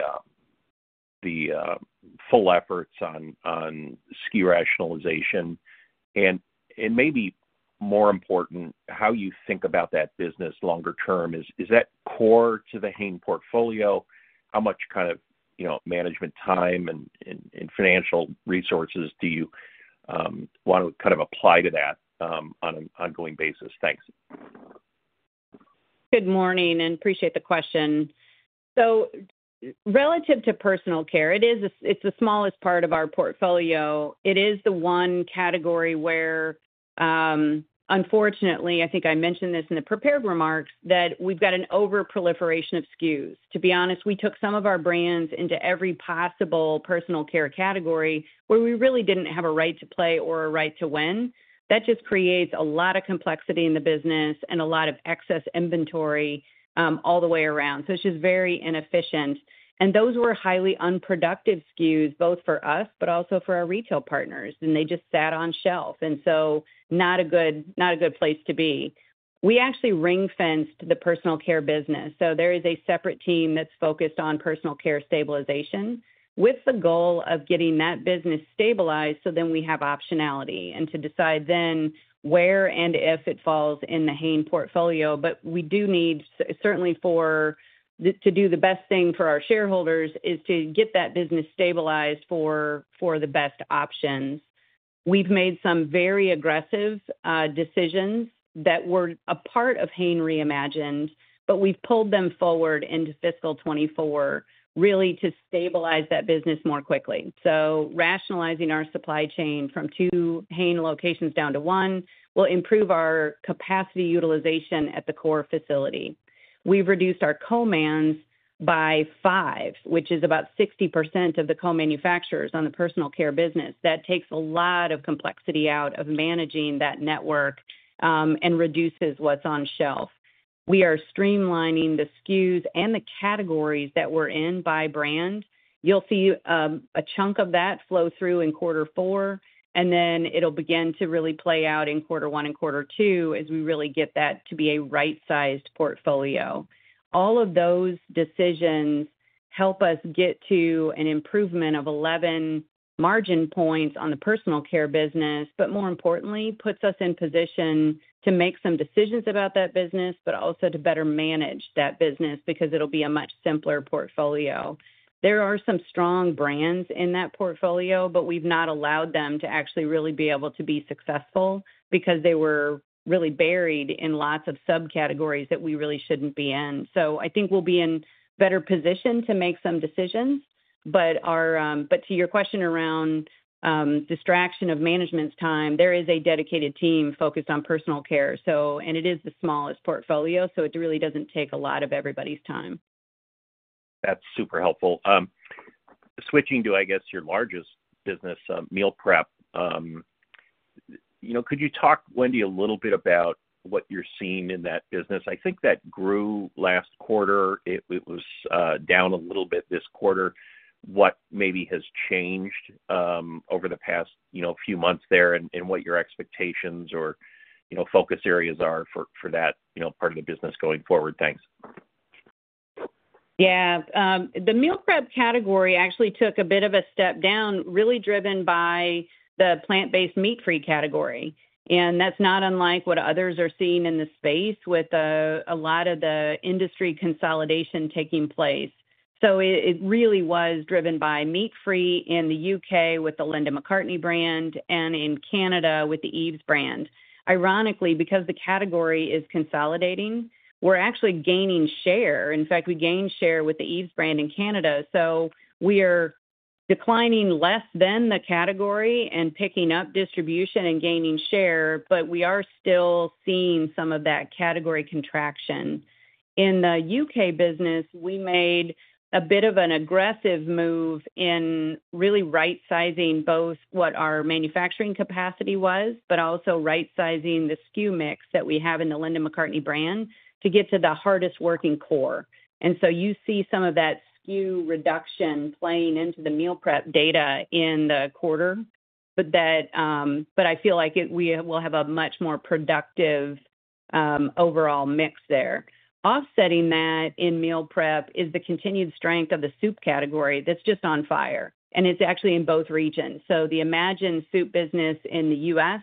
full efforts on SKU rationalization? And maybe more important, how you think about that business longer term, is that core to the Hain portfolio? How much kind of management time and financial resources do you want to kind of apply to that on an ongoing basis? Thanks. Good morning, and appreciate the question. So relative to personal care, it's the smallest part of our portfolio. It is the one category where, unfortunately, I think I mentioned this in the prepared remarks, that we've got an over-proliferation of SKUs. To be honest, we took some of our brands into every possible personal care category where we really didn't have a right to play or a right to win. That just creates a lot of complexity in the business and a lot of excess inventory all the way around. So it's just very inefficient. And those were highly unproductive SKUs, both for us, but also for our retail partners. And they just sat on shelf. And so not a good place to be. We actually ring-fenced the personal care business. So there is a separate team that's focused on personal care stabilization with the goal of getting that business stabilized so then we have optionality and to decide then where and if it falls in the Hain portfolio. But we do need, certainly to do the best thing for our shareholders, is to get that business stabilized for the best options. We've made some very aggressive decisions that were a part of Hain Reimagined, but we've pulled them forward into fiscal 2024 really to stabilize that business more quickly. So rationalizing our supply chain from two Hain locations down to one will improve our capacity utilization at the core facility. We've reduced our co-mans by five, which is about 60% of the co-manufacturers on the personal care business. That takes a lot of complexity out of managing that network and reduces what's on shelf. We are streamlining the SKUs and the categories that we're in by brand. You'll see a chunk of that flow through in quarter four. And then it'll begin to really play out in quarter one and quarter two as we really get that to be a right-sized portfolio. All of those decisions help us get to an improvement of 11 margin points on the personal care business, but more importantly, puts us in position to make some decisions about that business, but also to better manage that business because it'll be a much simpler portfolio. There are some strong brands in that portfolio, but we've not allowed them to actually really be able to be successful because they were really buried in lots of subcategories that we really shouldn't be in. So I think we'll be in better position to make some decisions. To your question around distraction of management's time, there is a dedicated team focused on personal care. It is the smallest portfolio, so it really doesn't take a lot of everybody's time. That's super helpful. Switching to, I guess, your largest business, meal prep, could you talk, Wendy, a little bit about what you're seeing in that business? I think that grew last quarter. It was down a little bit this quarter. What maybe has changed over the past few months there and what your expectations or focus areas are for that part of the business going forward? Thanks. Yeah. The meal prep category actually took a bit of a step down, really driven by the plant-based meat-free category. And that's not unlike what others are seeing in the space with a lot of the industry consolidation taking place. So it really was driven by meat-free in the U.K. with the Linda McCartney brand and in Canada with the Yves brand. Ironically, because the category is consolidating, we're actually gaining share. In fact, we gain share with the Yves brand in Canada. So we are declining less than the category and picking up distribution and gaining share, but we are still seeing some of that category contraction. In the UK business, we made a bit of an aggressive move in really right-sizing both what our manufacturing capacity was, but also right-sizing the SKU mix that we have in the Linda McCartney brand to get to the hardest working core. And so you see some of that skew reduction playing into the meal prep data in the quarter. But I feel like we will have a much more productive overall mix there. Offsetting that in meal prep is the continued strength of the soup category that's just on fire. And it's actually in both regions. So the Imagine soup business in the U.S.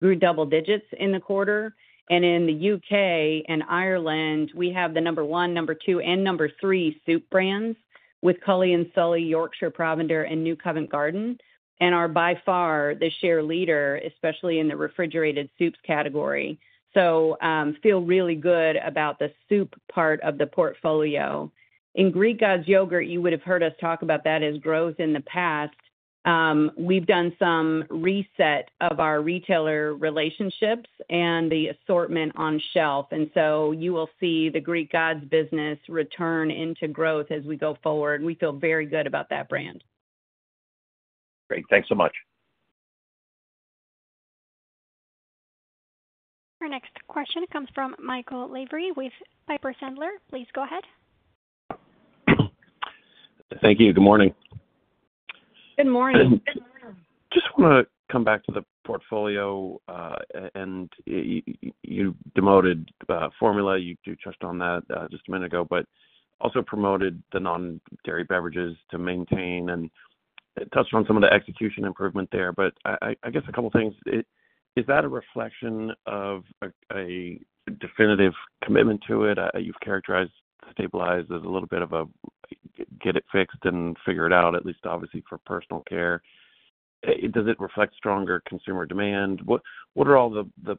grew double digits in the quarter. And in the U.K. and Ireland, we have the number one, number two, and number three soup brands with Cully & Sully, Yorkshire Provender, and New Covent Garden. And are by far the share leader, especially in the refrigerated soups category. So feel really good about the soup part of the portfolio. In Greek Gods yogurt, you would have heard us talk about that as growth in the past. We've done some reset of our retailer relationships and the assortment on shelf. And so you will see the Greek Gods business return into growth as we go forward. We feel very good about that brand. Great. Thanks so much. Our next question comes from Michael Lavery with Piper Sandler. Please go ahead. Thank you. Good morning. Good morning. <audio distortion> Just want to come back to the portfolio. You demoted formula. You touched on that just a minute ago, but also promoted the non-dairy beverages to maintain and touched on some of the execution improvement there. I guess a couple of things. Is that a reflection of a definitive commitment to it? You've characterized stabilized as a little bit of a get it fixed and figure it out, at least obviously for personal care. Does it reflect stronger consumer demand? What are all the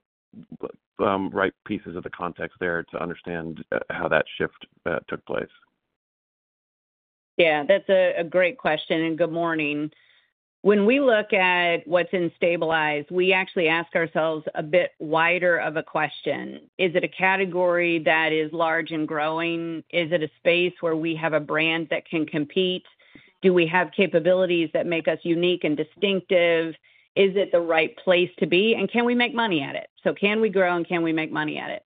right pieces of the context there to understand how that shift took place? Yeah, that's a great question and good morning. When we look at what's in stabilized, we actually ask ourselves a bit wider of a question. Is it a category that is large and growing? Is it a space where we have a brand that can compete? Do we have capabilities that make us unique and distinctive? Is it the right place to be? And can we make money at it? So can we grow and can we make money at it?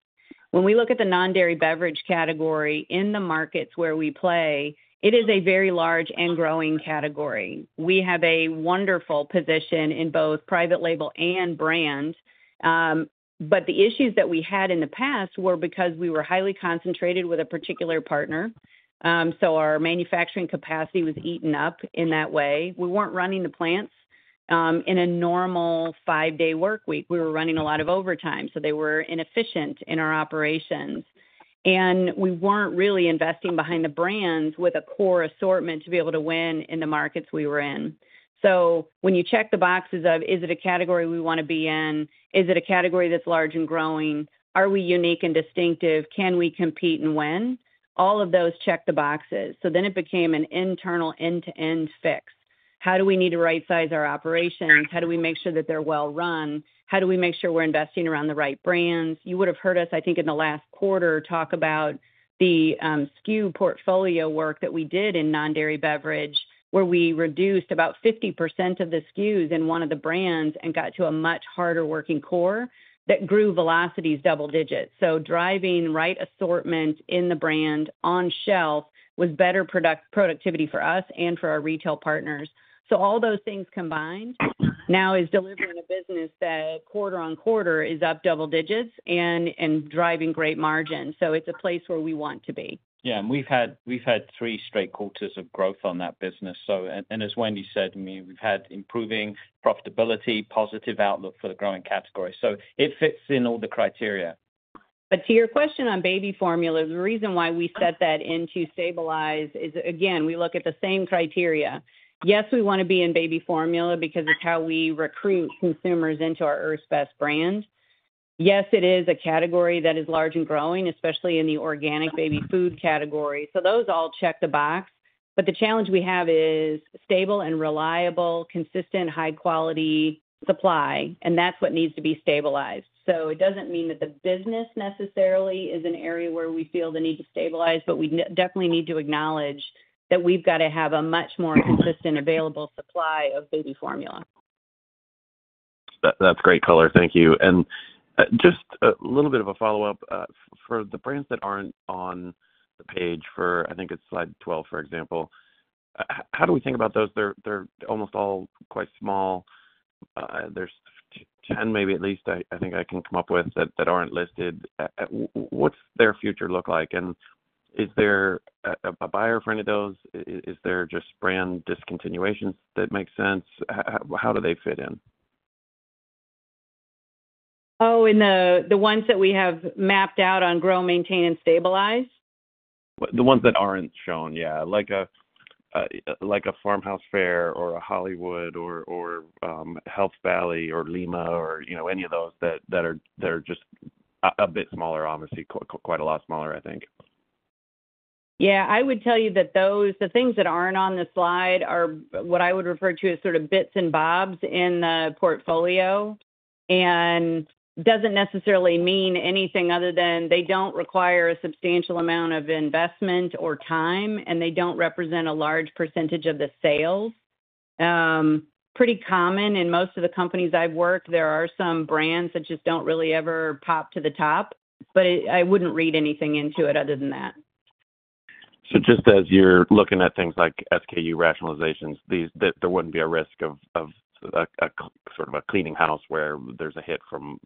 When we look at the non-dairy beverage category in the markets where we play, it is a very large and growing category. We have a wonderful position in both private label and brand. But the issues that we had in the past were because we were highly concentrated with a particular partner. So our manufacturing capacity was eaten up in that way. We weren't running the plants in a normal five-day workweek. We were running a lot of overtime. So they were inefficient in our operations. And we weren't really investing behind the brands with a core assortment to be able to win in the markets we were in. So when you check the boxes of, is it a category we want to be in? Is it a category that's large and growing? Are we unique and distinctive? Can we compete and win? All of those check the boxes. So then it became an internal end-to-end fix. How do we need to right-size our operations? How do we make sure that they're well run? How do we make sure we're investing around the right brands? You would have heard us, I think, in the last quarter talk about the SKU portfolio work that we did in non-dairy beverage, where we reduced about 50% of the SKUs in one of the brands and got to a much harder working core that grew velocities double digits. So driving right assortment in the brand on shelf was better productivity for us and for our retail partners. So all those things combined now is delivering a business that quarter-over-quarter is up double digits and driving great margins. So it's a place where we want to be. Yeah, we've had three straight quarters of growth on that business. As Wendy said, I mean, we've had improving profitability, positive outlook for the growing category. It fits in all the criteria. But to your question on baby formula, the reason why we set that into stabilize is, again, we look at the same criteria. Yes, we want to be in baby formula because it's how we recruit consumers into our Earth's Best brand. Yes, it is a category that is large and growing, especially in the organic baby food category. So those all check the box. But the challenge we have is stable and reliable, consistent, high-quality supply. And that's what needs to be stabilized. So it doesn't mean that the business necessarily is an area where we feel the need to stabilize, but we definitely need to acknowledge that we've got to have a much more consistent available supply of baby formula. That's great color. Thank you. And just a little bit of a follow-up. For the brands that aren't on the page for, I think it's slide 12, for example, how do we think about those? They're almost all quite small. There's 10, maybe at least, I think I can come up with that aren't listed. What's their future look like? And is there a buyer for any of those? Is there just brand discontinuations that make sense? How do they fit in? Oh, in the ones that we have mapped out on Grow, Maintain, and Stabilize? The ones that aren't shown, yeah. Like a Farmhouse Fare or a Hollywood or Health Valley or Lima or any of those that are just a bit smaller, obviously, quite a lot smaller, I think. Yeah, I would tell you that the things that aren't on the slide are what I would refer to as sort of bits and bobs in the portfolio. And doesn't necessarily mean anything other than they don't require a substantial amount of investment or time, and they don't represent a large percentage of the sales. Pretty common in most of the companies I've worked, there are some brands that just don't really ever pop to the top. But I wouldn't read anything into it other than that. So just as you're looking at things like SKU rationalizations, there wouldn't be a risk of sort of a cleaning house where there's a hit from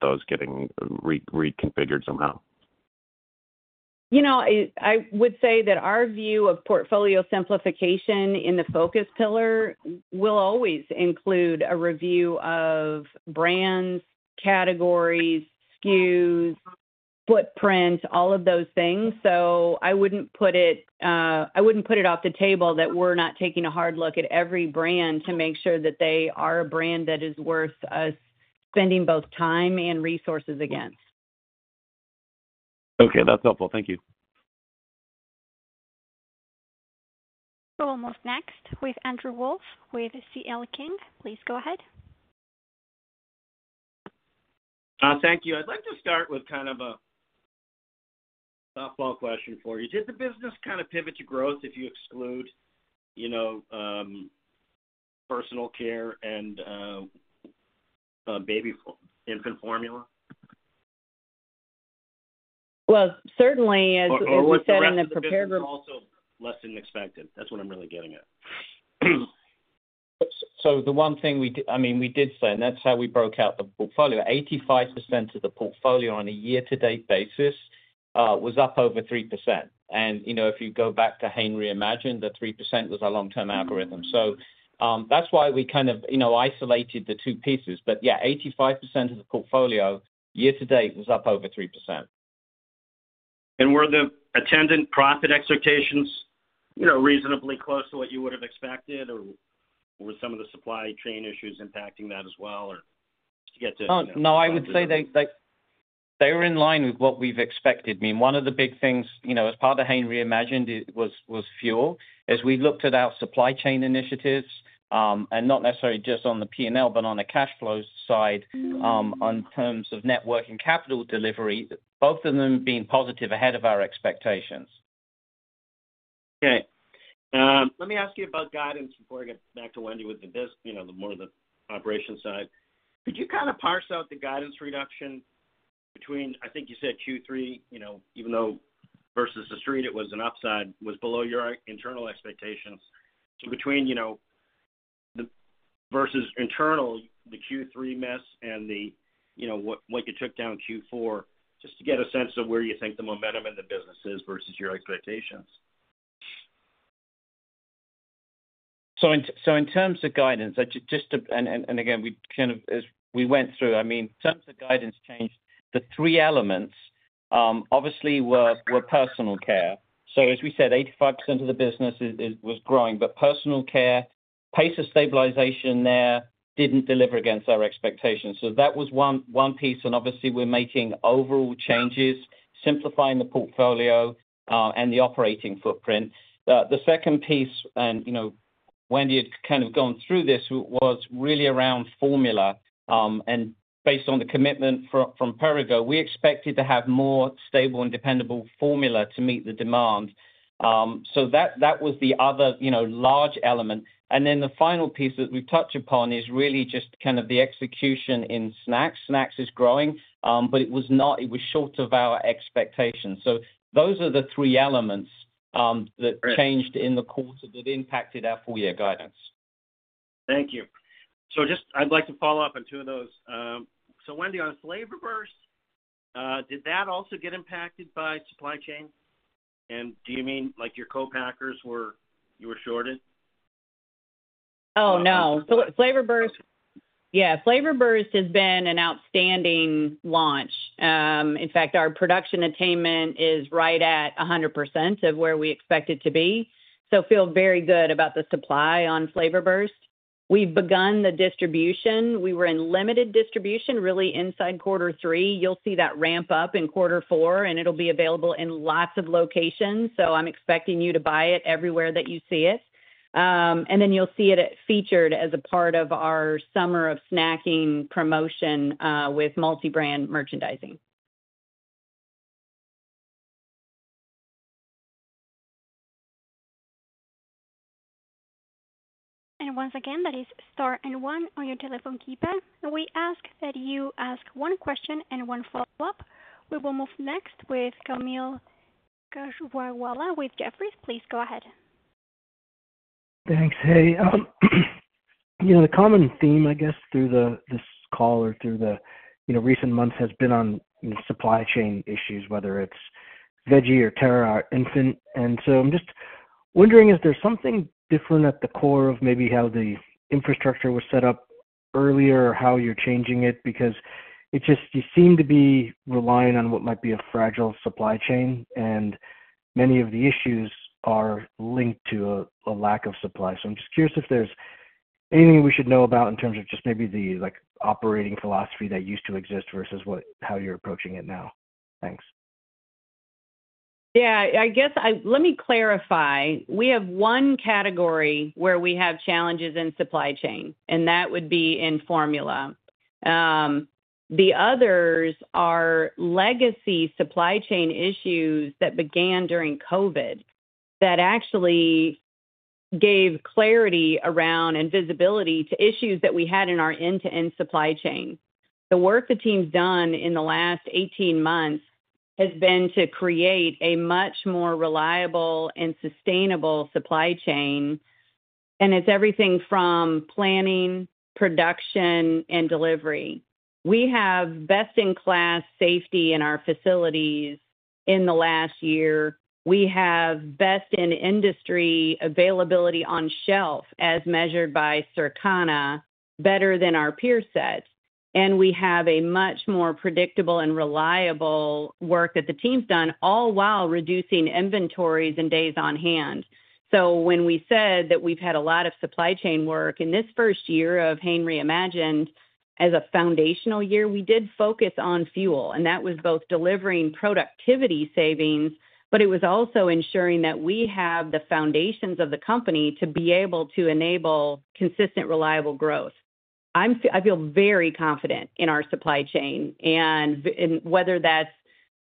those getting reconfigured somehow? I would say that our view of portfolio simplification in the Focus pillar will always include a review of brands, categories, SKUs, footprints, all of those things. So I wouldn't put it off the table that we're not taking a hard look at every brand to make sure that they are a brand that is worth us spending both time and resources against. Okay, that's helpful. Thank you. We will move next with Andrew Wolf with C.L. King. Please go ahead. Thank you. I'd like to start with kind of a softball question for you. Did the business kind of pivot to growth if you exclude personal care and baby, infant formula? Well, certainly, as we said in the prepared remarks. Perhaps business is also less than expected. That's what I'm really getting at. So the one thing we did, I mean, we did say, and that's how we broke out the portfolio. 85% of the portfolio on a year-to-date basis was up over 3%. And if you go back to Hain Reimagined, the 3% was a long-term algorithm. So that's why we kind of isolated the two pieces. But yeah, 85% of the portfolio year-to-date was up over 3%. Were the attendant profit expectations reasonably close to what you would have expected? Or were some of the supply chain issues impacting that as well? Or just to get to. Oh, no, I would say they were in line with what we've expected. I mean, one of the big things as part of Hain Reimagined was fuel. As we looked at our supply chain initiatives, and not necessarily just on the P&L, but on the cash flow side in terms of network and capital delivery, both of them being positive ahead of our expectations. Okay. Let me ask you about guidance before I get back to Wendy with the more of the operations side. Could you kind of parse out the guidance reduction between I think you said Q3, even though versus the street, it was an upside, was below your internal expectations. So between versus internal, the Q3 mess and what you took down Q4, just to get a sense of where you think the momentum in the business is versus your expectations. So in terms of guidance, just and again, we kind of as we went through, I mean, in terms of guidance changed, the three elements obviously were personal care. So as we said, 85% of the business was growing. But personal care, pace of stabilization there didn't deliver against our expectations. So that was one piece. And obviously, we're making overall changes, simplifying the portfolio and the operating footprint. The second piece, and Wendy had kind of gone through this, was really around formula. And based on the commitment from Perrigo, we expected to have more stable and dependable formula to meet the demand. So that was the other large element. And then the final piece that we've touched upon is really just kind of the execution in snacks. Snacks is growing, but it was short of our expectations. So those are the three elements that changed in the quarter that impacted our full-year guidance. Thank you. So just I'd like to follow up on two of those. So, Wendy, on this Flavor Burst, did that also get impacted by supply chain? And do you mean your co-packers were shorted? Oh, no. So Flavor Burst, yeah, Flavor Burst has been an outstanding launch. In fact, our production attainment is right at 100% of where we expected to be. So feel very good about the supply on Flavor Burst. We've begun the distribution. We were in limited distribution really inside quarter three. You'll see that ramp up in quarter four, and it'll be available in lots of locations. So I'm expecting you to buy it everywhere that you see it. And then you'll see it featured as a part of our Summer of Snacking promotion with multi-brand merchandising. Once again, that is star and one on your telephone keypad. We ask that you ask one question and one follow-up. We will move next with Kaumil Gajrawala with Jefferies. Please go ahead. Thanks. Hey, the common theme, I guess, through this call or through the recent months has been on supply chain issues, whether it's Veggie or Terra, infant. So I'm just wondering if there's something different at the core of maybe how the infrastructure was set up earlier or how you're changing it because you seem to be relying on what might be a fragile supply chain, and many of the issues are linked to a lack of supply. I'm just curious if there's anything we should know about in terms of just maybe the operating philosophy that used to exist versus how you're approaching it now. Thanks. Yeah, I guess let me clarify. We have one category where we have challenges in supply chain, and that would be in formula. The others are legacy supply chain issues that began during COVID that actually gave clarity around and visibility to issues that we had in our end-to-end supply chain. The work the team's done in the last 18 months has been to create a much more reliable and sustainable supply chain, and it's everything from planning, production, and delivery. We have best-in-class safety in our facilities in the last year. We have best-in-industry availability on shelf as measured by Circana better than our peer set. And we have a much more predictable and reliable work that the team's done, all while reducing inventories and days on hand. So when we said that we've had a lot of supply chain work in this first year of Hain Reimagined as a foundational year, we did focus on fuel. And that was both delivering productivity savings, but it was also ensuring that we have the foundations of the company to be able to enable consistent, reliable growth. I feel very confident in our supply chain. And whether that's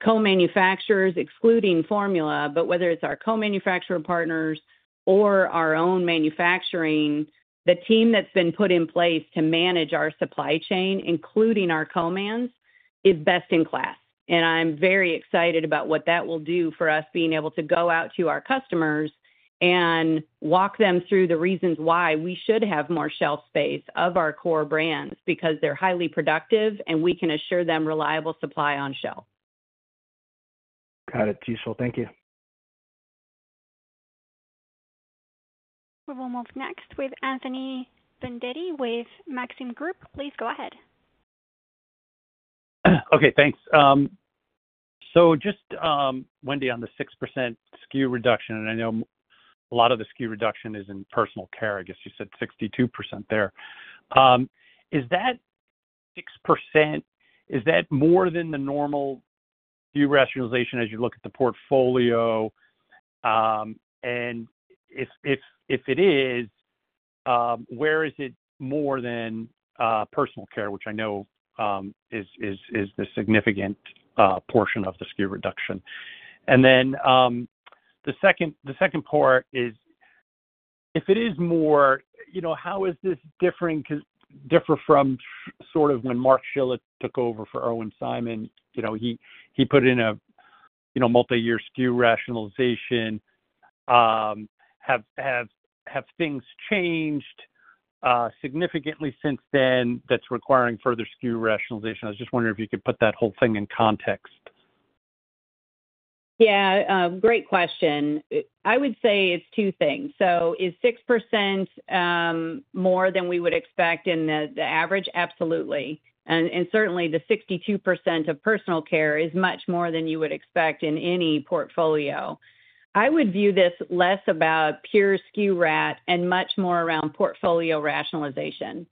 co-manufacturers excluding formula, but whether it's our co-manufacturer partners or our own manufacturing, the team that's been put in place to manage our supply chain, including our co-mans, is best in class. And I'm very excited about what that will do for us being able to go out to our customers and walk them through the reasons why we should have more shelf space of our core brands because they're highly productive and we can assure them reliable supply on shelf. Got it, useful. Thank you. We'll move next with Anthony Vendetti with Maxim Group. Please go ahead. Okay, thanks. So just Wendy on the 6% SKU reduction, and I know a lot of the SKU reduction is in personal care. I guess you said 62% there. Is that 6% more than the normal SKU rationalization as you look at the portfolio? And if it is, where is it more than personal care, which I know is the significant portion of the SKU reduction? And then the second part is, if it is more, how is this different from sort of when Mark Schiller took over for Irwin Simon? He put in a multi-year SKU rationalization. Have things changed significantly since then that's requiring further SKU rationalization? I was just wondering if you could put that whole thing in context. Yeah, great question. I would say it's two things. So is 6% more than we would expect in the average? Absolutely. And certainly, the 62% of personal care is much more than you would expect in any portfolio. I would view this less about pure SKU rate and much more around portfolio rationalization.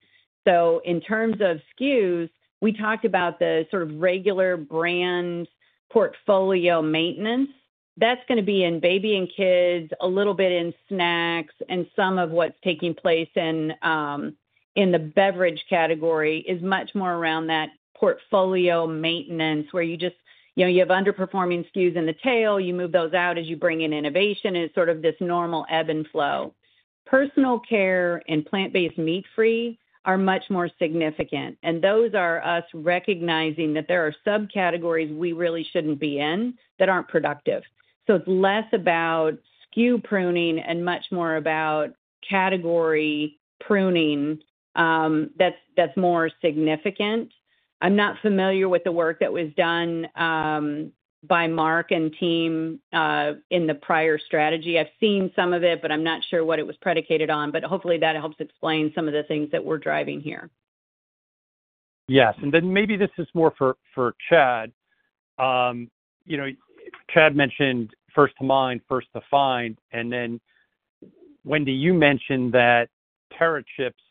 So in terms of SKUs, we talked about the sort of regular brand portfolio maintenance. That's going to be in baby and kids, a little bit in snacks, and some of what's taking place in the beverage category is much more around that portfolio maintenance where you just have underperforming SKUs in the tail. You move those out as you bring in innovation, and it's sort of this normal ebb and flow. Personal care and plant-based meat-free are much more significant. Those are us recognizing that there are subcategories we really shouldn't be in that aren't productive. It's less about SKU pruning and much more about category pruning that's more significant. I'm not familiar with the work that was done by Mark and team in the prior strategy. I've seen some of it, but I'm not sure what it was predicated on. Hopefully, that helps explain some of the things that we're driving here. Yes. Then maybe this is more for Chad. Chad mentioned First to Mind, First to Find. Then Wendy, you mentioned that Terra chips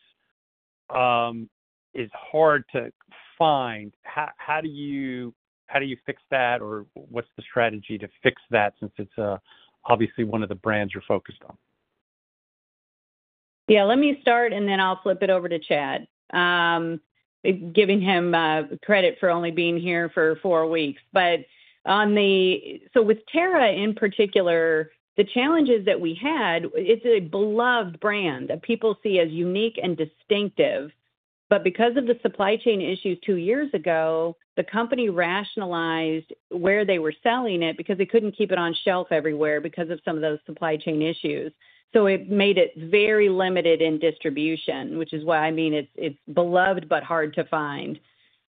is hard to find. How do you fix that, or what's the strategy to fix that since it's obviously one of the brands you're focused on? Yeah, let me start, and then I'll flip it over to Chad, giving him credit for only being here for four weeks. But so with Terra in particular, the challenges that we had, it's a beloved brand that people see as unique and distinctive. But because of the supply chain issues two years ago, the company rationalized where they were selling it because they couldn't keep it on shelf everywhere because of some of those supply chain issues. So it made it very limited in distribution, which is why I mean it's beloved but hard to find.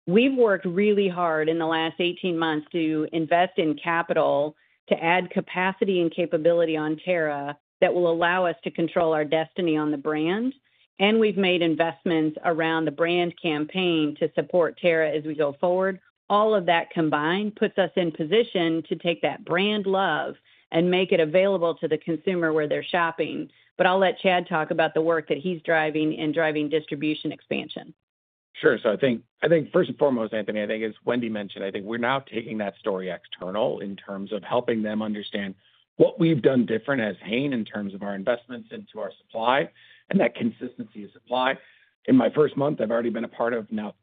We've worked really hard in the last 18 months to invest in capital to add capacity and capability on Terra that will allow us to control our destiny on the brand. And we've made investments around the brand campaign to support Terra as we go forward. All of that combined puts us in position to take that brand love and make it available to the consumer where they're shopping. But I'll let Chad talk about the work that he's driving in driving distribution expansion. Sure. So I think first and foremost, Anthony, I think as Wendy mentioned, I think we're now taking that story external in terms of helping them understand what we've done different as Hain in terms of our investments into our supply and that consistency of supply. In my first month, I've already been a part of now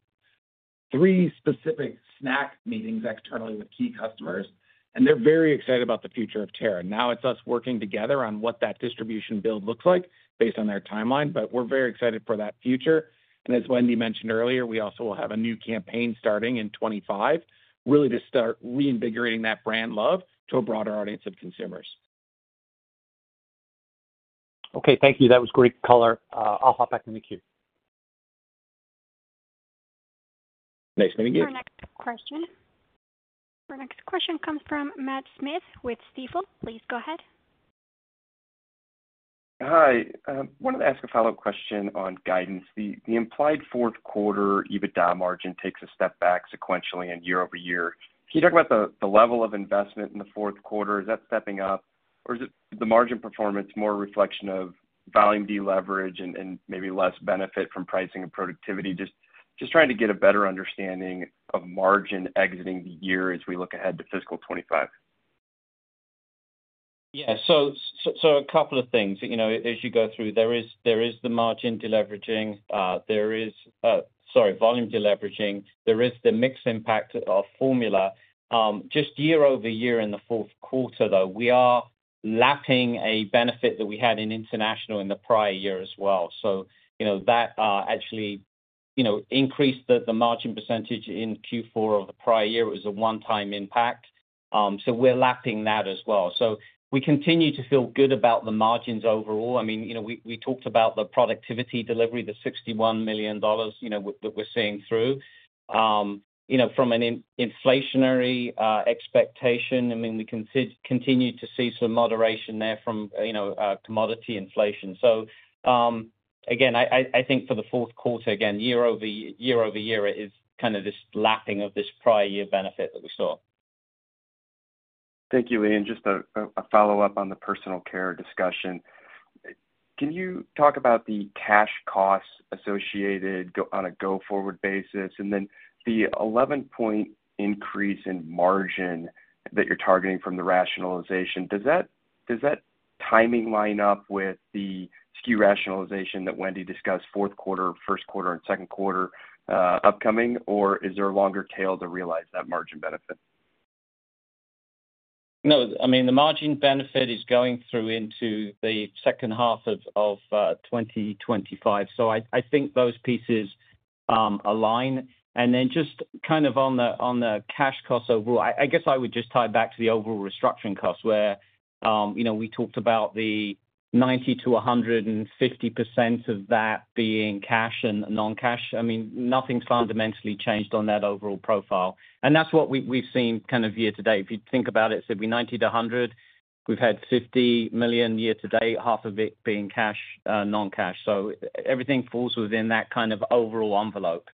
three specific snack meetings externally with key customers. And they're very excited about the future of Terra. Now it's us working together on what that distribution build looks like based on their timeline. But we're very excited for that future. And as Wendy mentioned earlier, we also will have a new campaign starting in 2025 really to start reinvigorating that brand love to a broader audience of consumers. Okay, thank you. That was great color. I'll hop back in the queue. Nice meeting you. Our next question comes from Matt Smith with Stifel. Please go ahead. Hi. I wanted to ask a follow-up question on guidance. The implied fourth quarter EBITDA margin takes a step back sequentially and year-over-year. Can you talk about the level of investment in the fourth quarter? Is that stepping up, or is the margin performance more a reflection of volume deleverage and maybe less benefit from pricing and productivity? Just trying to get a better understanding of margin exiting the year as we look ahead to fiscal 2025. Yeah, so a couple of things as you go through. There is the margin deleveraging. There is, sorry, volume deleveraging. There is the mixed impact of formula. Just year-over-year in the fourth quarter, though, we are lapping a benefit that we had in international in the prior year as well. So that actually increased the margin percentage in Q4 of the prior year. It was a one-time impact. So we're lapping that as well. So we continue to feel good about the margins overall. I mean, we talked about the productivity delivery, the $61 million that we're seeing through. From an inflationary expectation, I mean, we continue to see some moderation there from commodity inflation. So again, I think for the fourth quarter, again, year-over-year, it is kind of this lapping of this prior year benefit that we saw. Thank you, Lee. Just a follow-up on the personal care discussion. Can you talk about the cash costs associated on a go-forward basis? And then the 11-point increase in margin that you're targeting from the rationalization, does that timing line up with the SKU rationalization that Wendy discussed fourth quarter, first quarter, and second quarter upcoming, or is there a longer tail to realize that margin benefit? No, I mean, the margin benefit is going through into the second half of 2025. So I think those pieces align. And then just kind of on the cash costs overall, I guess I would just tie back to the overall restructuring costs where we talked about the 90%-150% of that being cash and non-cash. I mean, nothing's fundamentally changed on that overall profile. And that's what we've seen kind of year-to-date. If you think about it, it's going to be 90%-100%. We've had $50 million year-to-date, half of it being cash, non-cash. So everything falls within that kind of overall envelope.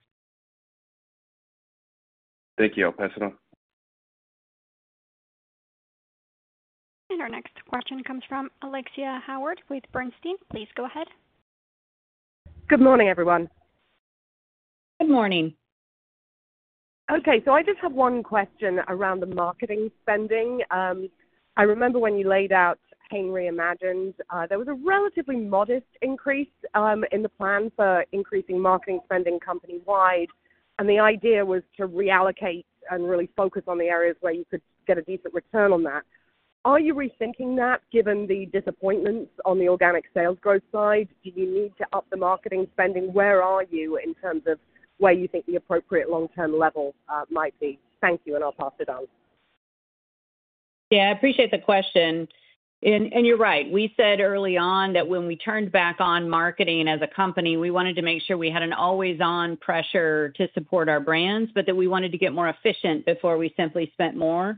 Thank you, I'll pass it on. Our next question comes from Alexia Howard with Bernstein. Please go ahead. Good morning, everyone. Good morning. Okay, so I just have one question around the marketing spending. I remember when you laid out Hain Reimagined, there was a relatively modest increase in the plan for increasing marketing spending company-wide. And the idea was to reallocate and really focus on the areas where you could get a decent return on that. Are you rethinking that given the disappointments on the organic sales growth side? Do you need to up the marketing spending? Where are you in terms of where you think the appropriate long-term level might be? Thank you, and I'll pass it on. Yeah, I appreciate the question. You're right. We said early on that when we turned back on marketing as a company, we wanted to make sure we had an always-on pressure to support our brands, but that we wanted to get more efficient before we simply spent more.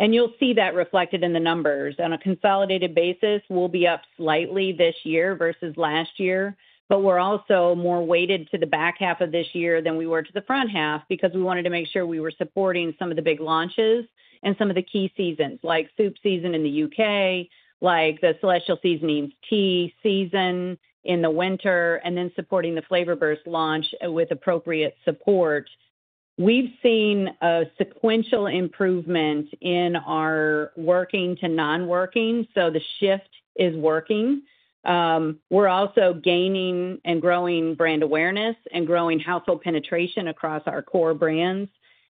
You'll see that reflected in the numbers. On a consolidated basis, we'll be up slightly this year versus last year. We're also more weighted to the back half of this year than we were to the front half because we wanted to make sure we were supporting some of the big launches and some of the key seasons like soup season in the U.K., like the Celestial Seasonings tea season in the winter, and then supporting the Flavor Burst launch with appropriate support. We've seen a sequential improvement in our working to non-working. The shift is working. We're also gaining and growing brand awareness and growing household penetration across our core brands.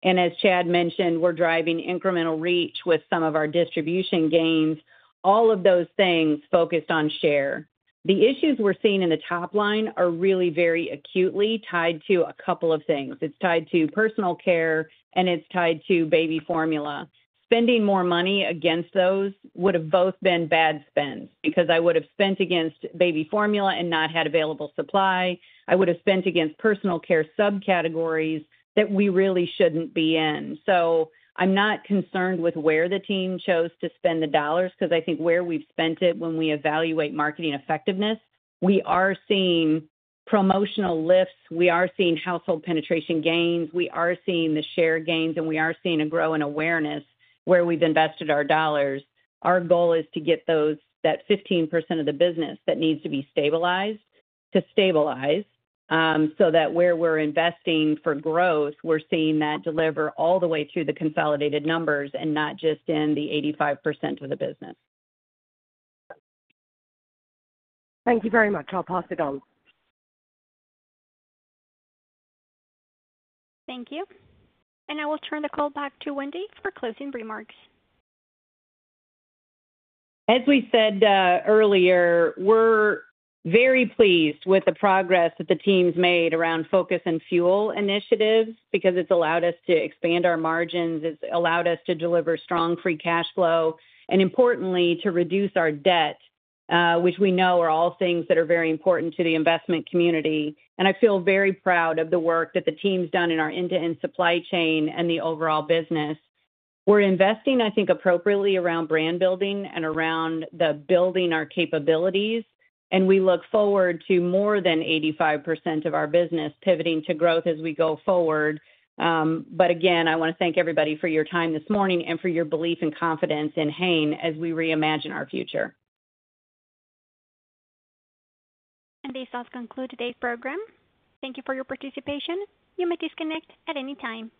And as Chad mentioned, we're driving incremental reach with some of our distribution gains, all of those things focused on share. The issues we're seeing in the top line are really very acutely tied to a couple of things. It's tied to personal care, and it's tied to baby formula. Spending more money against those would have both been bad spends because I would have spent against baby formula and not had available supply. I would have spent against personal care subcategories that we really shouldn't be in. So I'm not concerned with where the team chose to spend the dollars because I think where we've spent it when we evaluate marketing effectiveness, we are seeing promotional lifts. We are seeing household penetration gains. We are seeing the share gains, and we are seeing a growing awareness where we've invested our dollars. Our goal is to get that 15% of the business that needs to be stabilized to stabilize so that where we're investing for growth, we're seeing that deliver all the way through the consolidated numbers and not just in the 85% of the business. Thank you very much. I'll pass it on. Thank you. I will turn the call back to Wendy for closing remarks. As we said earlier, we're very pleased with the progress that the team's made around Focus and Fuel initiatives because it's allowed us to expand our margins. It's allowed us to deliver strong free cash flow and, importantly, to reduce our debt, which we know are all things that are very important to the investment community. I feel very proud of the work that the team's done in our end-to-end supply chain and the overall business. We're investing, I think, appropriately around brand building and around building our capabilities. We look forward to more than 85% of our business pivoting to growth as we go forward. But again, I want to thank everybody for your time this morning and for your belief and confidence in Hain as we reimagine our future. This does conclude today's program. Thank you for your participation. You may disconnect at any time.